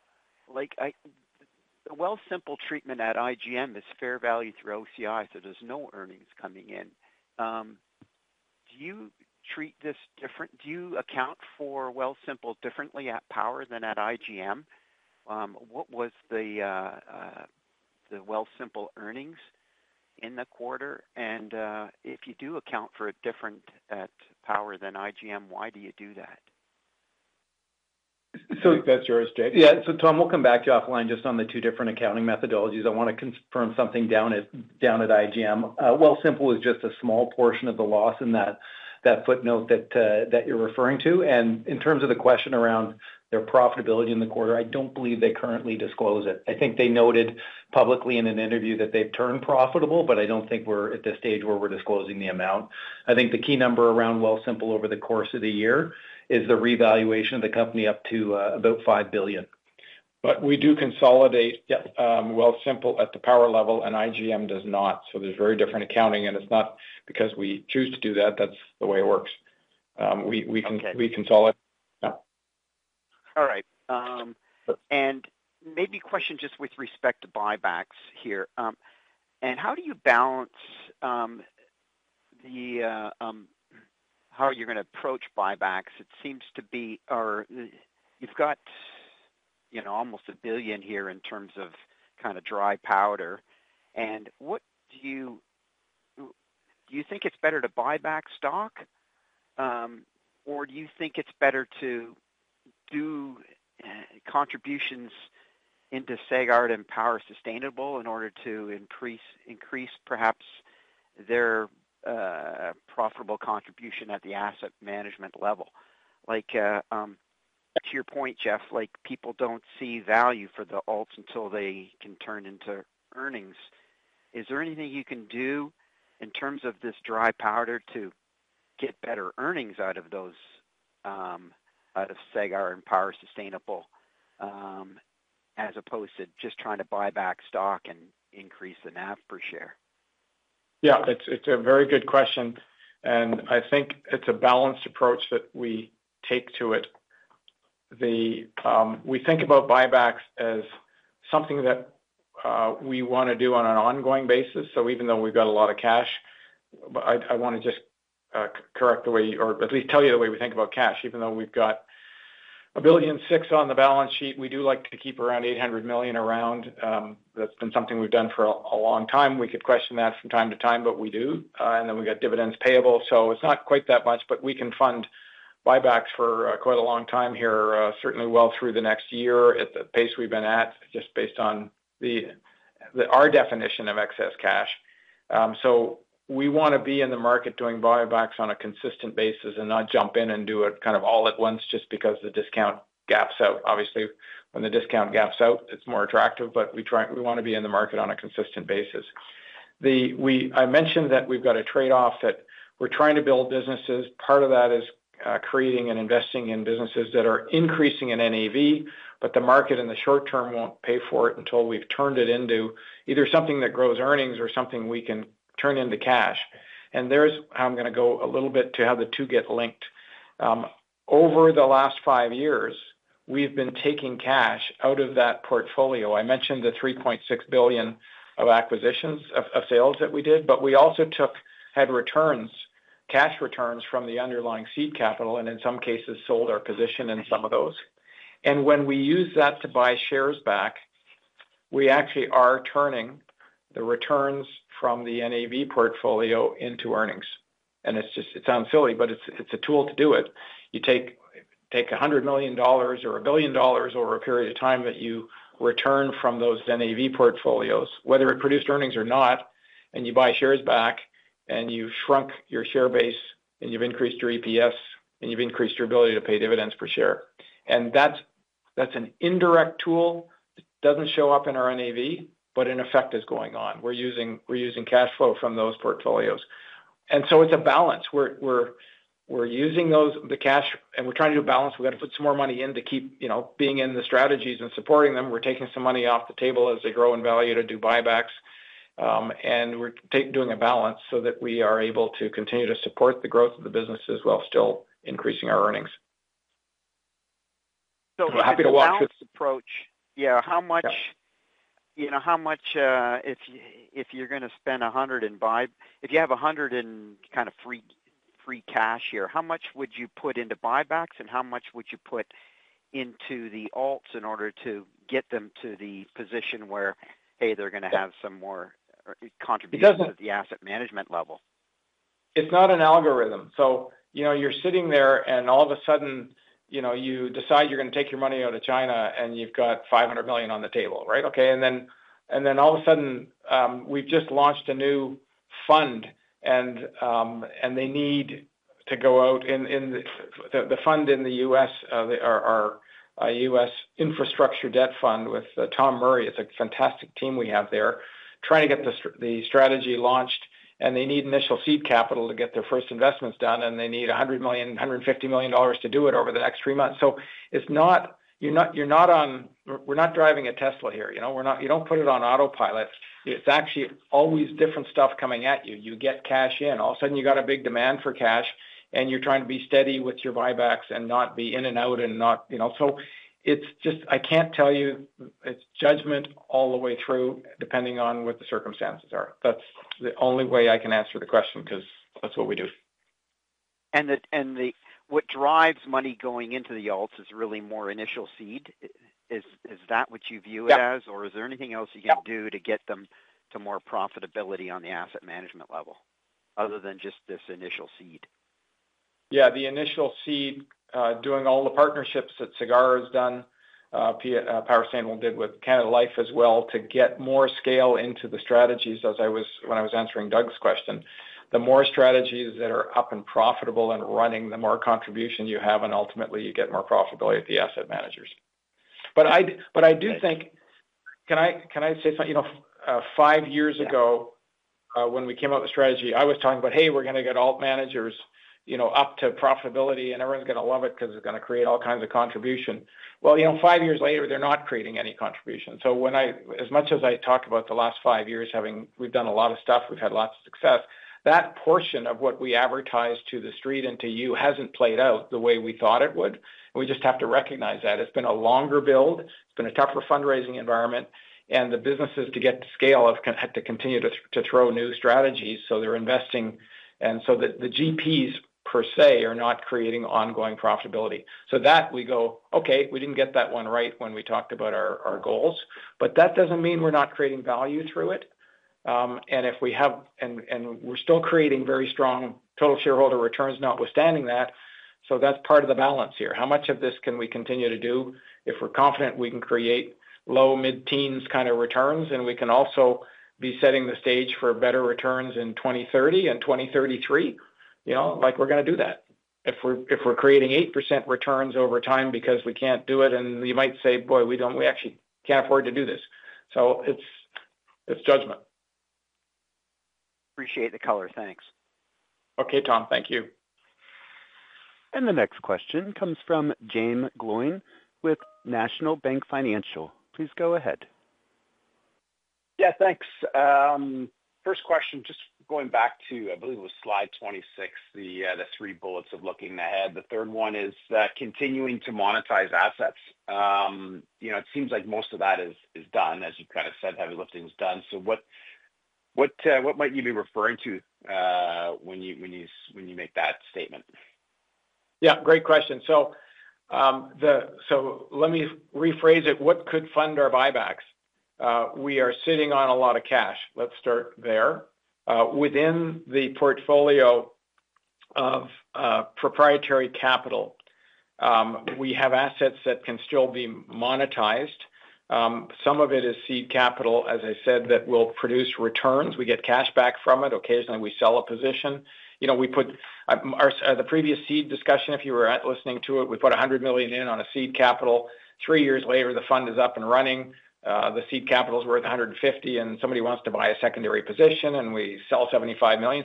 Wealthsimple treatment at IGM is fair value through OCI, so there's no earnings coming in. Do you treat this different? Do you account for Wealthsimple differently at Power than at IGM? What was the Wealthsimple earnings in the quarter? And if you do account for it different at Power than IGM, why do you do that? That is yours, Jake? Yeah. Tom, we will come back to you offline just on the two different accounting methodologies. I want to confirm something down at IGM. Wealthsimple is just a small portion of the loss in that footnote that you are referring to. In terms of the question around their profitability in the quarter, I do not believe they currently disclose it. I think they noted publicly in an interview that they have turned profitable, but I do not think we are at the stage where we are disclosing the amount. I think the key number around Wealthsimple over the course of the year is the revaluation of the company up to about 5 billion. We do consolidate Wealthsimple at the Power level, and IGM does not. There is very different accounting, and it is not because we choose to do that. That is the way it works. We consolidate. Yeah. All right. Maybe question just with respect to buybacks here. How do you balance the how are you going to approach buybacks? It seems to be you've got almost 1 billion here in terms of kind of dry powder. Do you think it's better to buy back stock, or do you think it's better to do contributions into Sagard and Power Sustainable in order to increase perhaps their profitable contribution at the asset management level? To your point, Jeff, people do not see value for the alts until they can turn into earnings. Is there anything you can do in terms of this dry powder to get better earnings out of Sagard and Power Sustainable as opposed to just trying to buy back stock and increase the NAV per share? Yeah. It's a very good question. I think it's a balanced approach that we take to it. We think about buybacks as something that we want to do on an ongoing basis. Even though we've got a lot of cash, I want to just correct the way, or at least tell you the way we think about cash. Even though we've got 1.6 billion on the balance sheet, we do like to keep around 800 million around. That's been something we've done for a long time. We could question that from time to time, but we do. Then we've got dividends payable. It's not quite that much, but we can fund buybacks for quite a long time here, certainly well through the next year at the pace we've been at, just based on our definition of excess cash. We want to be in the market doing buybacks on a consistent basis and not jump in and do it kind of all at once just because the discount gaps out. Obviously, when the discount gaps out, it's more attractive, but we want to be in the market on a consistent basis. I mentioned that we've got a trade-off that we're trying to build businesses. Part of that is creating and investing in businesses that are increasing in NAV, but the market in the short term won't pay for it until we've turned it into either something that grows earnings or something we can turn into cash. There's how I'm going to go a little bit to how the two get linked. Over the last five years, we've been taking cash out of that portfolio. I mentioned the 3.6 billion of acquisitions of sales that we did, but we also had returns, cash returns from the underlying seed capital, and in some cases, sold our position in some of those. When we use that to buy shares back, we actually are turning the returns from the NAV portfolio into earnings. It sounds silly, but it's a tool to do it. You take $100 million or a billion dollars over a period of time that you return from those NAV portfolios, whether it produced earnings or not, and you buy shares back, and you shrunk your share base, and you've increased your EPS, and you've increased your ability to pay dividends per share. That's an indirect tool. It doesn't show up in our NAV, but an effect is going on. We're using cash flow from those portfolios. It's a balance. We're using the cash, and we're trying to do a balance. We've got to put some more money in to keep being in the strategies and supporting them. We're taking some money off the table as they grow in value to do buybacks. We're doing a balance so that we are able to continue to support the growth of the businesses while still increasing our earnings. Happy to walk through. How much approach? Yeah. How much if you're going to spend 100 and buy if you have 100 in kind of free cash here, how much would you put into buybacks, and how much would you put into the alts in order to get them to the position where, hey, they're going to have some more contribution at the asset management level? It's not an algorithm. You're sitting there, and all of a sudden, you decide you're going to take your money out of China, and you've got $500 million on the table, right? Okay. All of a sudden, we've just launched a new fund, and they need to go out in the fund in the US, our US infrastructure debt fund with Tom Murray. It's a fantastic team we have there, trying to get the strategy launched. And they need initial seed capital to get their first investments done, and they need $100 million-$150 million to do it over the next three months. You're not on we're not driving a Tesla here. You don't put it on autopilot. It's actually always different stuff coming at you. You get cash in. All of a sudden, you've got a big demand for cash, and you're trying to be steady with your buybacks and not be in and out and not, so it's just I can't tell you. It's judgment all the way through, depending on what the circumstances are. That's the only way I can answer the question because that's what we do. What drives money going into the alts is really more initial seed. Is that what you view it as? Is there anything else you can do to get them to more profitability on the asset management level other than just this initial seed? Yeah. The initial seed, doing all the partnerships that Sagard has done, Power Sustainable did with Canada Life as well to get more scale into the strategies as I was when I was answering Doug's question. The more strategies that are up and profitable and running, the more contribution you have, and ultimately, you get more profitability at the asset managers. I do think, can I say something? Five years ago, when we came up with the strategy, I was talking about, "Hey, we're going to get alt managers up to profitability, and everyone's going to love it because it's going to create all kinds of contribution." Five years later, they're not creating any contribution. As much as I talk about the last five years having we've done a lot of stuff. We've had lots of success. That portion of what we advertise to the street and to you has not played out the way we thought it would. We just have to recognize that. It has been a longer build. It has been a tougher fundraising environment. The businesses to get the scale have had to continue to throw new strategies. They are investing. The GPs, per se, are not creating ongoing profitability. We go, "Okay. We did not get that one right when we talked about our goals." That does not mean we are not creating value through it. We are still creating very strong total shareholder returns notwithstanding that. That is part of the balance here. How much of this can we continue to do if we are confident we can create low mid-teens kind of returns, and we can also be setting the stage for better returns in 2030 and 2033? We're going to do that. If we're creating 8% returns over time because we can't do it, and you might say, "Boy, we actually can't afford to do this." It is judgment. Appreciate the color. Thanks. Okay, Tom. Thank you. The next question comes from Jaeme Gloyn with National Bank Financial. Please go ahead. Yeah. Thanks. First question, just going back to, I believe it was slide 26, the three bullets of looking ahead. The third one is continuing to monetize assets. It seems like most of that is done, as you kind of said, heavy lifting is done. What might you be referring to when you make that statement? Yeah. Great question. Let me rephrase it. What could fund our buybacks? We are sitting on a lot of cash. Let's start there. Within the portfolio of proprietary capital, we have assets that can still be monetized. Some of it is seed capital, as I said, that will produce returns. We get cash back from it. Occasionally, we sell a position. The previous seed discussion, if you were listening to it, we put 100 million in on a seed capital. Three years later, the fund is up and running. The seed capital is worth 150 million, and somebody wants to buy a secondary position, and we sell 75 million.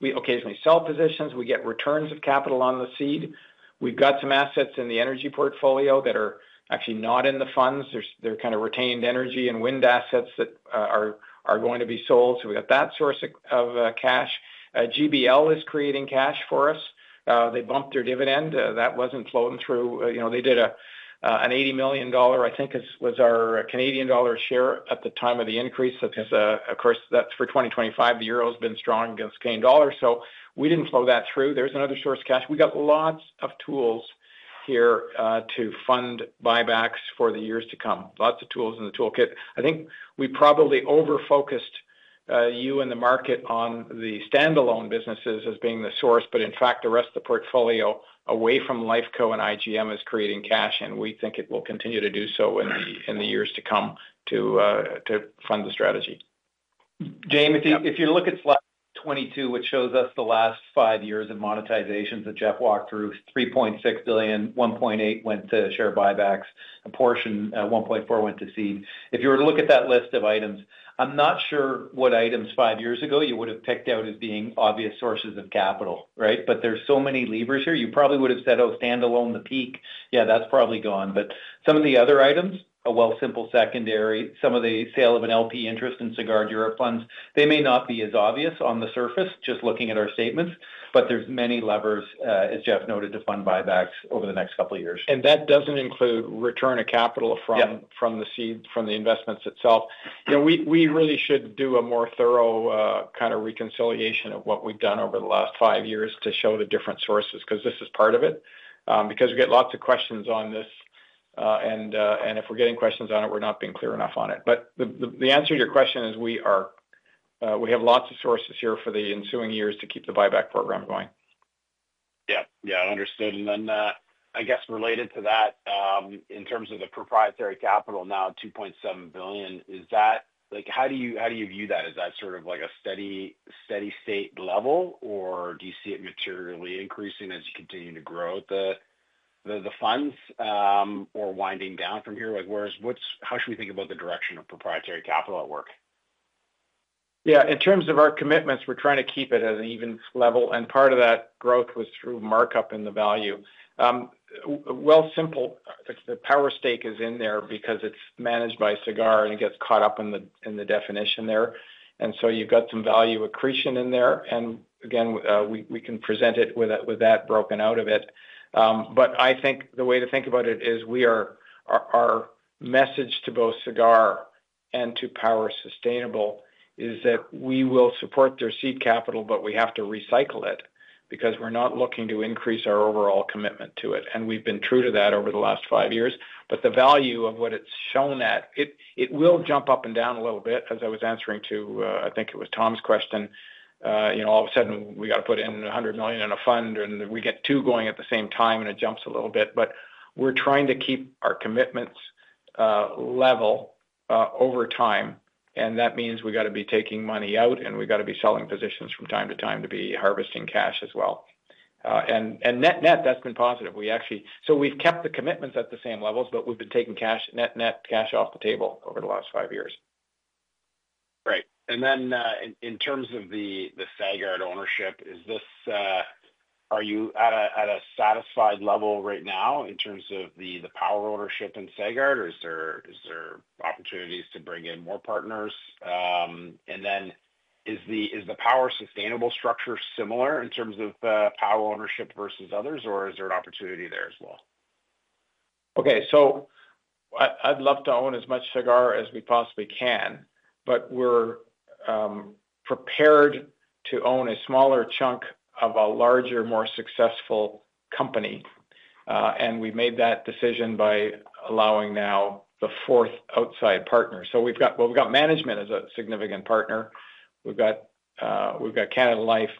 We occasionally sell positions. We get returns of capital on the seed. We have some assets in the energy portfolio that are actually not in the funds. They're kind of retained energy and wind assets that are going to be sold. We got that source of cash. GBL is creating cash for us. They bumped their dividend. That was not flowing through. They did a 80 million, I think, was our Canadian dollar share at the time of the increase. Of course, that is for 2025. The Euro has been strong against the Canadian dollar. We did not flow that through. There is another source of cash. We got lots of tools here to fund buybacks for the years to come. Lots of tools in the toolkit. I think we probably over-focused you and the market on the standalone businesses as being the source, but in fact, the rest of the portfolio away from Lifeco and IGM is creating cash, and we think it will continue to do so in the years to come to fund the strategy. Jaeme, if you look at slide 22, which shows us the last five years of monetizations that Jeff walked through, 3.6 billion, 1.8 billion went to share buybacks. A portion, 1.4 billion, went to seed. If you were to look at that list of items, I'm not sure what items five years ago you would have picked out as being obvious sources of capital, right? There are so many levers here. You probably would have said, "Oh, standalone, the peak." Yeah, that's probably gone. Some of the other items, a Wealthsimple secondary, some of the sale of an LP interest in Sagard Europe funds, they may not be as obvious on the surface, just looking at our statements, but there are many levers, as Jeff noted, to fund buybacks over the next couple of years. That does not include return of capital from the investments itself. We really should do a more thorough kind of reconciliation of what we've done over the last five years to show the different sources because this is part of it. We get lots of questions on this, and if we're getting questions on it, we're not being clear enough on it. The answer to your question is we have lots of sources here for the ensuing years to keep the buyback program going. Yeah. Yeah. Understood. I guess related to that, in terms of the proprietary capital now, 2.7 billion, how do you view that? Is that sort of like a steady state level, or do you see it materially increasing as you continue to grow the funds or winding down from here? How should we think about the direction of proprietary capital at work? Yeah. In terms of our commitments, we're trying to keep it at an even level. Part of that growth was through markup in the value. Wealthsimple, the Power stake is in there because it's managed by Sagard, and it gets caught up in the definition there. You have some value accretion in there. Again, we can present it with that broken out of it. I think the way to think about it is our message to both Sagard and to Power Sustainable is that we will support their seed capital, but we have to recycle it because we're not looking to increase our overall commitment to it. We've been true to that over the last five years. The value of what it's shown at will jump up and down a little bit. As I was answering to, I think it was Tom's question, all of a sudden, we got to put in 100 million in a fund, and we get two going at the same time, and it jumps a little bit. We are trying to keep our commitments level over time. That means we got to be taking money out, and we got to be selling positions from time to time to be harvesting cash as well. Net-net, that's been positive. We have kept the commitments at the same levels, but we have been taking cash, net-net, cash off the table over the last five years. Great. In terms of the Sagard ownership, are you at a satisfied level right now in terms of the Power ownership in Sagard, or is there opportunities to bring in more partners? Is the Power Sustainable structure similar in terms of Power ownership versus others, or is there an opportunity there as well? Okay. I'd love to own as much Sagard as we possibly can, but we're prepared to own a smaller chunk of a larger, more successful company. We made that decision by allowing now the fourth outside partner. We've got management as a significant partner. We've got Canada Life,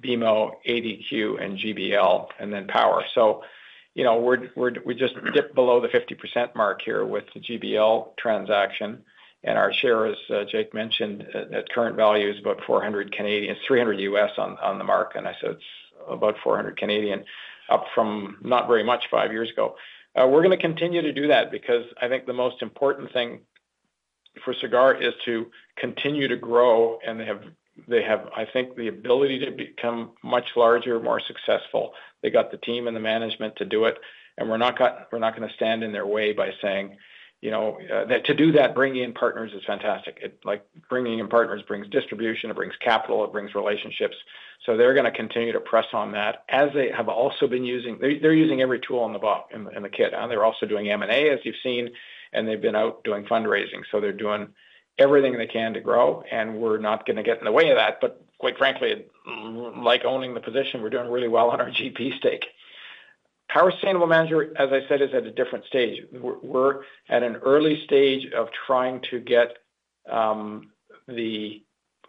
BMO, ADQ, and GBL, and then Power. We just dipped below the 50% mark here with the GBL transaction. Our share is, Jake mentioned, at current values, about 400 million, $300 million on the mark. I said it's about 400 million, up from not very much five years ago. We're going to continue to do that because I think the most important thing for Sagard is to continue to grow, and they have, I think, the ability to become much larger, more successful. They got the team and the management to do it. We are not going to stand in their way by saying that to do that, bringing in partners is fantastic. Bringing in partners brings distribution. It brings capital. It brings relationships. They are going to continue to press on that. As they have also been using, they are using every tool in the kit. They are also doing M&A, as you have seen, and they have been out doing fundraising. They are doing everything they can to grow. We are not going to get in the way of that. Quite frankly, like owning the position, we are doing really well on our GP stake. Power Sustainable Manager, as I said, is at a different stage. We are at an early stage of trying to get the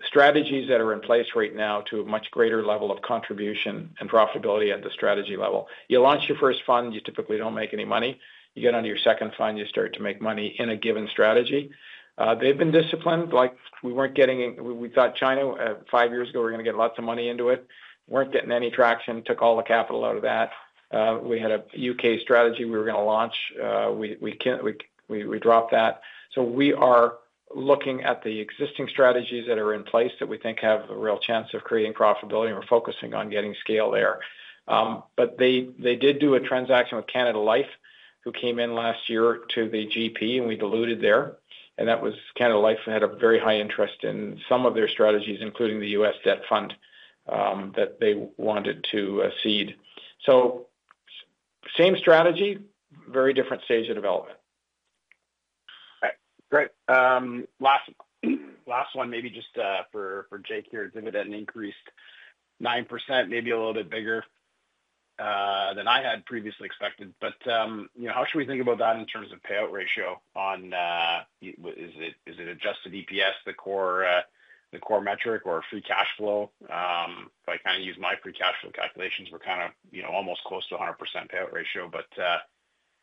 strategies that are in place right now to a much greater level of contribution and profitability at the strategy level. You launch your first fund, you typically do not make any money. You get onto your second fund, you start to make money in a given strategy. They have been disciplined. We thought China, five years ago, we were going to get lots of money into it. Were not getting any traction. Took all the capital out of that. We had a UK strategy we were going to launch. We dropped that. We are looking at the existing strategies that are in place that we think have a real chance of creating profitability. We are focusing on getting scale there. They did do a transaction with Canada Life, who came in last year to the GP, and we diluted there. Canada Life had a very high interest in some of their strategies, including the US debt fund that they wanted to seed. Same strategy, very different stage of development. Great. Last one, maybe just for Jake here. Dividend increased 9%, maybe a little bit bigger than I had previously expected. How should we think about that in terms of payout ratio? Is it adjusted EPS, the core metric, or free cash flow? If I kind of use my free cash flow calculations, we're kind of almost close to 100% payout ratio.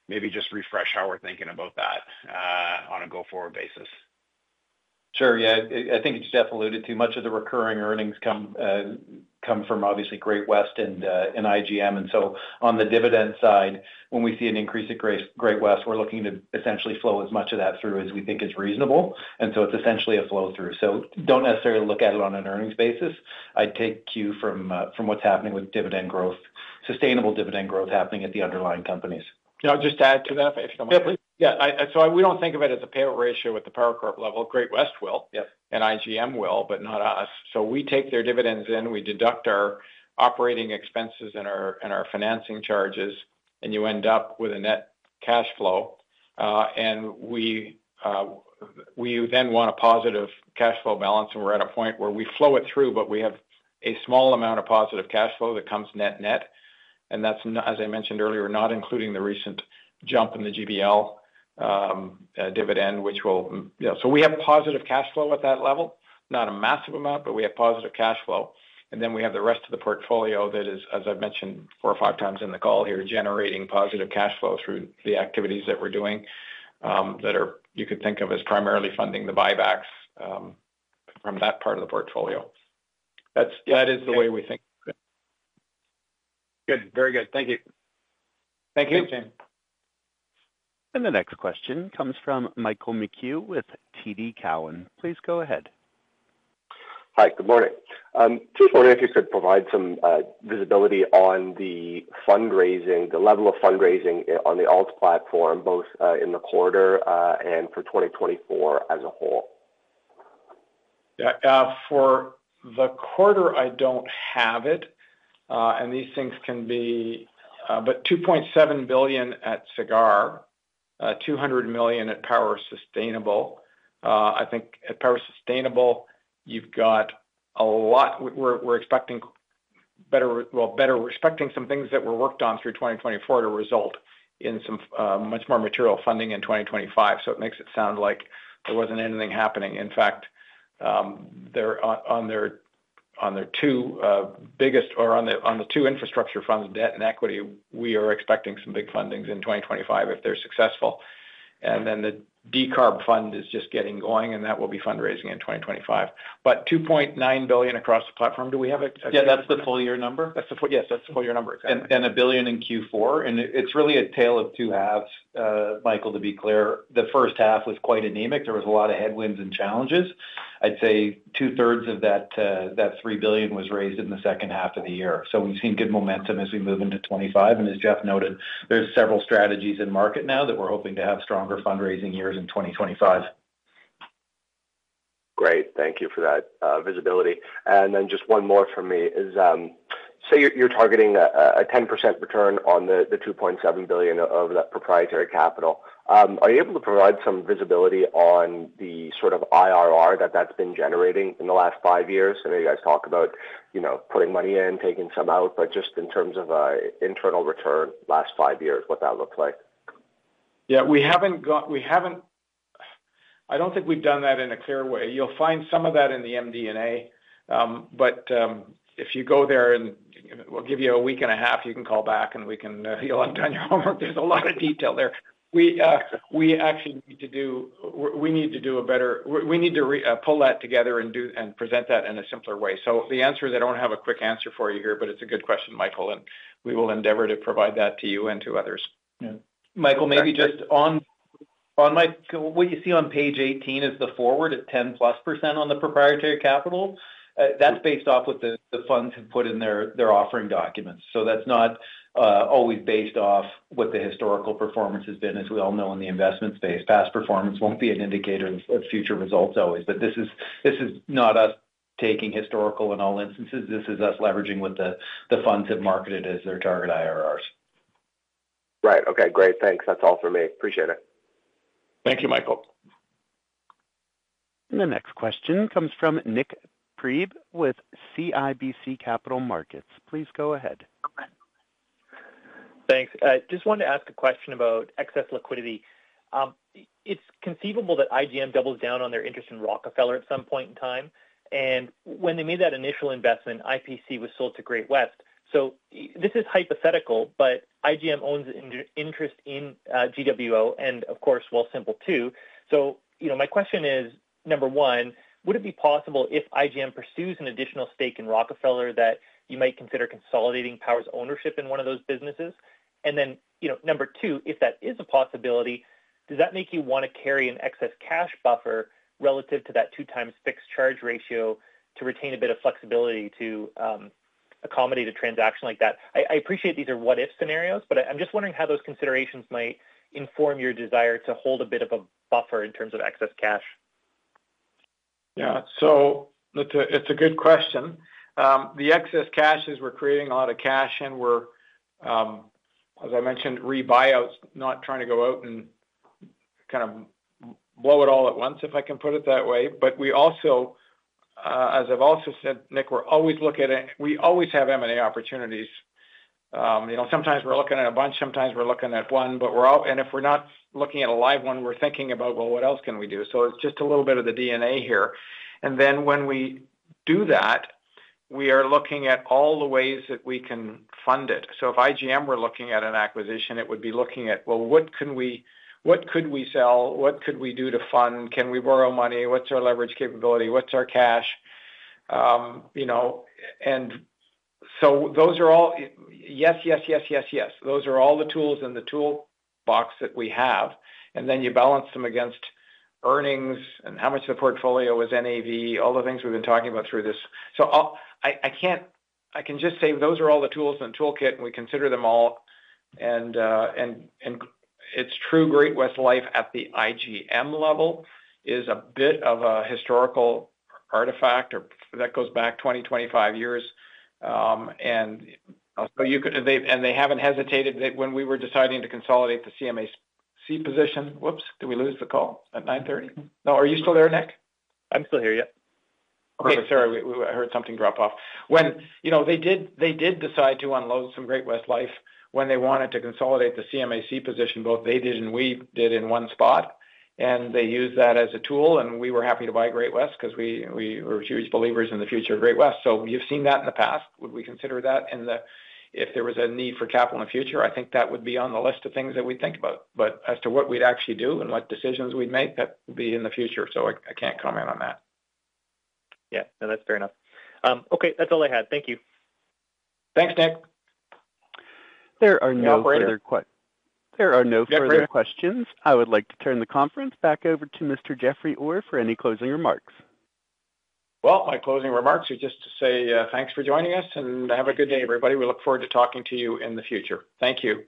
Maybe just refresh how we're thinking about that on a go-forward basis. Sorry, I think Jeff alluded to this much of the recurring earnings come from Great-West and IGM. On the dividend side, when we see an increase at Great-West, we’re essentially looking to flow as much of that through as we think is reasonable. It’s essentially a flow-through, so don’t necessarily look at it on an earnings basis. I’d take cues from what’s happening with dividend growth, sustainable dividend growth at the underlying companies. Yeah, I’ll just add to that, if you don't mind? Yeah. We do not think of it as a payout ratio at the Power Corporation level. Great-West will and IGM will, but not us. We take their dividends in. We deduct our operating expenses and our financing charges, and you end up with a net cash flow. We then want a positive cash flow balance. We are at a point where we flow it through, but we have a small amount of positive cash flow that comes net-net. That is, as I mentioned earlier, not including the recent jump in the GBL dividend, which will, so we have positive cash flow at that level. Not a massive amount, but we have positive cash flow. We have the rest of the portfolio that is, as I've mentioned four or five times in the call here, generating positive cash flow through the activities that we're doing that you could think of as primarily funding the buybacks from that part of the portfolio. That is the way we think. Good. Very good. Thank you. Thank you, Jaeme. The next question comes from Michael McHugh with TD Cowen. Please go ahead. Hi. Good morning. Just wondering if you could provide some visibility on the fundraising, the level of fundraising on the Alts platform, both in the quarter and for 2024 as a whole. Yeah. For the quarter, I don't have it. These things can be, but 2.7 billion at Sagard, 200 million at Power Sustainable. I think at Power Sustainable, you've got a lot, we're expecting better, we're expecting some things that were worked on through 2024 to result in some much more material funding in 2025. It makes it sound like there wasn't anything happening. In fact, on their two biggest, or on the two infrastructure funds, debt and equity, we are expecting some big fundings in 2025 if they're successful. The decarb fund is just getting going, and that will be fundraising in 2025. 2.9 billion across the platform, do we have it? Yeah. That's the full year number. Yes. That's the full year number. A billion in Q4. It is really a tale of two halves, Michael, to be clear. The first half was quite anemic. There was a lot of headwinds and challenges. I would say two-thirds of that 3 billion was raised in the second half of the year. We have seen good momentum as we move into 2025. As Jeff noted, there are several strategies in market now that we are hoping to have stronger fundraising years in 2025. Great. Thank you for that visibility. Just one more from me is say you're targeting a 10% return on the 2.7 billion of that proprietary capital. Are you able to provide some visibility on the sort of IRR that that's been generating in the last five years? I know you guys talk about putting money in, taking some out, but just in terms of internal return last five years, what that looks like? Yeah. I don't think we've done that in a clear way. You'll find some of that in the MD&A. If you go there and we'll give you a week and a half, you can call back, and you'll have done your homework. There's a lot of detail there. We actually need to do a better job. We need to pull that together and present that in a simpler way. The answer, I don't have a quick answer for you here, but it's a good question, Michael. We will endeavor to provide that to you and to others. Michael, maybe just on what you see on page 18 is the forward at 10% plus on the proprietary capital. That's based off what the funds have put in their offering documents. That's not always based off what the historical performance has been, as we all know in the investment space. Past performance won't be an indicator of future results always. This is not us taking historical in all instances. This is us leveraging what the funds have marketed as their target IRRs. Right. Okay. Great. Thanks. That's all for me. Appreciate it. Thank you, Michael. The next question comes from Nik Priebe with CIBC Capital Markets. Please go ahead. Thanks. Just wanted to ask a question about excess liquidity. It's conceivable that IGM doubles down on their interest in Rockefeller at some point in time. When they made that initial investment, IPC was sold to Great-West. This is hypothetical, but IGM owns an interest in GWO and, of course, Wealthsimple too. My question is, number one, would it be possible if IGM pursues an additional stake in Rockefeller that you might consider consolidating Power's ownership in one of those businesses? Number two, if that is a possibility, does that make you want to carry an excess cash buffer relative to that two-times fixed charge ratio to retain a bit of flexibility to accommodate a transaction like that? I appreciate these are what-if scenarios, but I'm just wondering how those considerations might inform your desire to hold a bit of a buffer in terms of excess cash. Yeah. It's a good question. The excess cash is we're creating a lot of cash, and we're, as I mentioned, rebuyouts, not trying to go out and kind of blow it all at once, if I can put it that way. We also, as I've also said, Nik, we're always looking at we always have M&A opportunities. Sometimes we're looking at a bunch. Sometimes we're looking at one. If we're not looking at a live one, we're thinking about, like, what else can we do? It's just a little bit of the DNA here. When we do that, we are looking at all the ways that we can fund it. If IGM were looking at an acquisition, it would be looking at, like, what could we sell? What could we do to fund? Can we borrow money? What's our leverage capability? What's our cash? Those are all yes, yes, yes, yes, yes. Those are all the tools in the toolbox that we have. You balance them against earnings and how much of the portfolio is NAV, all the things we've been talking about through this. I can just say those are all the tools in the toolkit, and we consider them all. It is true Great-West Lifeco at the IGM level is a bit of a historical artifact that goes back 20-25 years. They have not hesitated when we were deciding to consolidate the CMAC position. Whoops. Did we lose the call at 9:30? No. Are you still there, Nik? I'm still here. Yep. Perfect. Sorry. I heard something drop off. They did decide to unload some Great-West Lifeco when they wanted to consolidate the CMAC position. Both they did and we did in one spot. They used that as a tool. We were happy to buy Great-West because we were huge believers in the future of Great-West. You have seen that in the past. Would we consider that if there was a need for capital in the future? I think that would be on the list of things that we would think about. As to what we would actually do and what decisions we would make, that would be in the future. I cannot comment on that. Yeah. No, that's fair enough. Okay. That's all I had. Thank you. Thanks, Nik. There are no further questions. I would like to turn the conference back over to Mr. Jeffrey Orr for any closing remarks. My closing remarks are just to say thanks for joining us, and have a good day, everybody. We look forward to talking to you in the future. Thank you.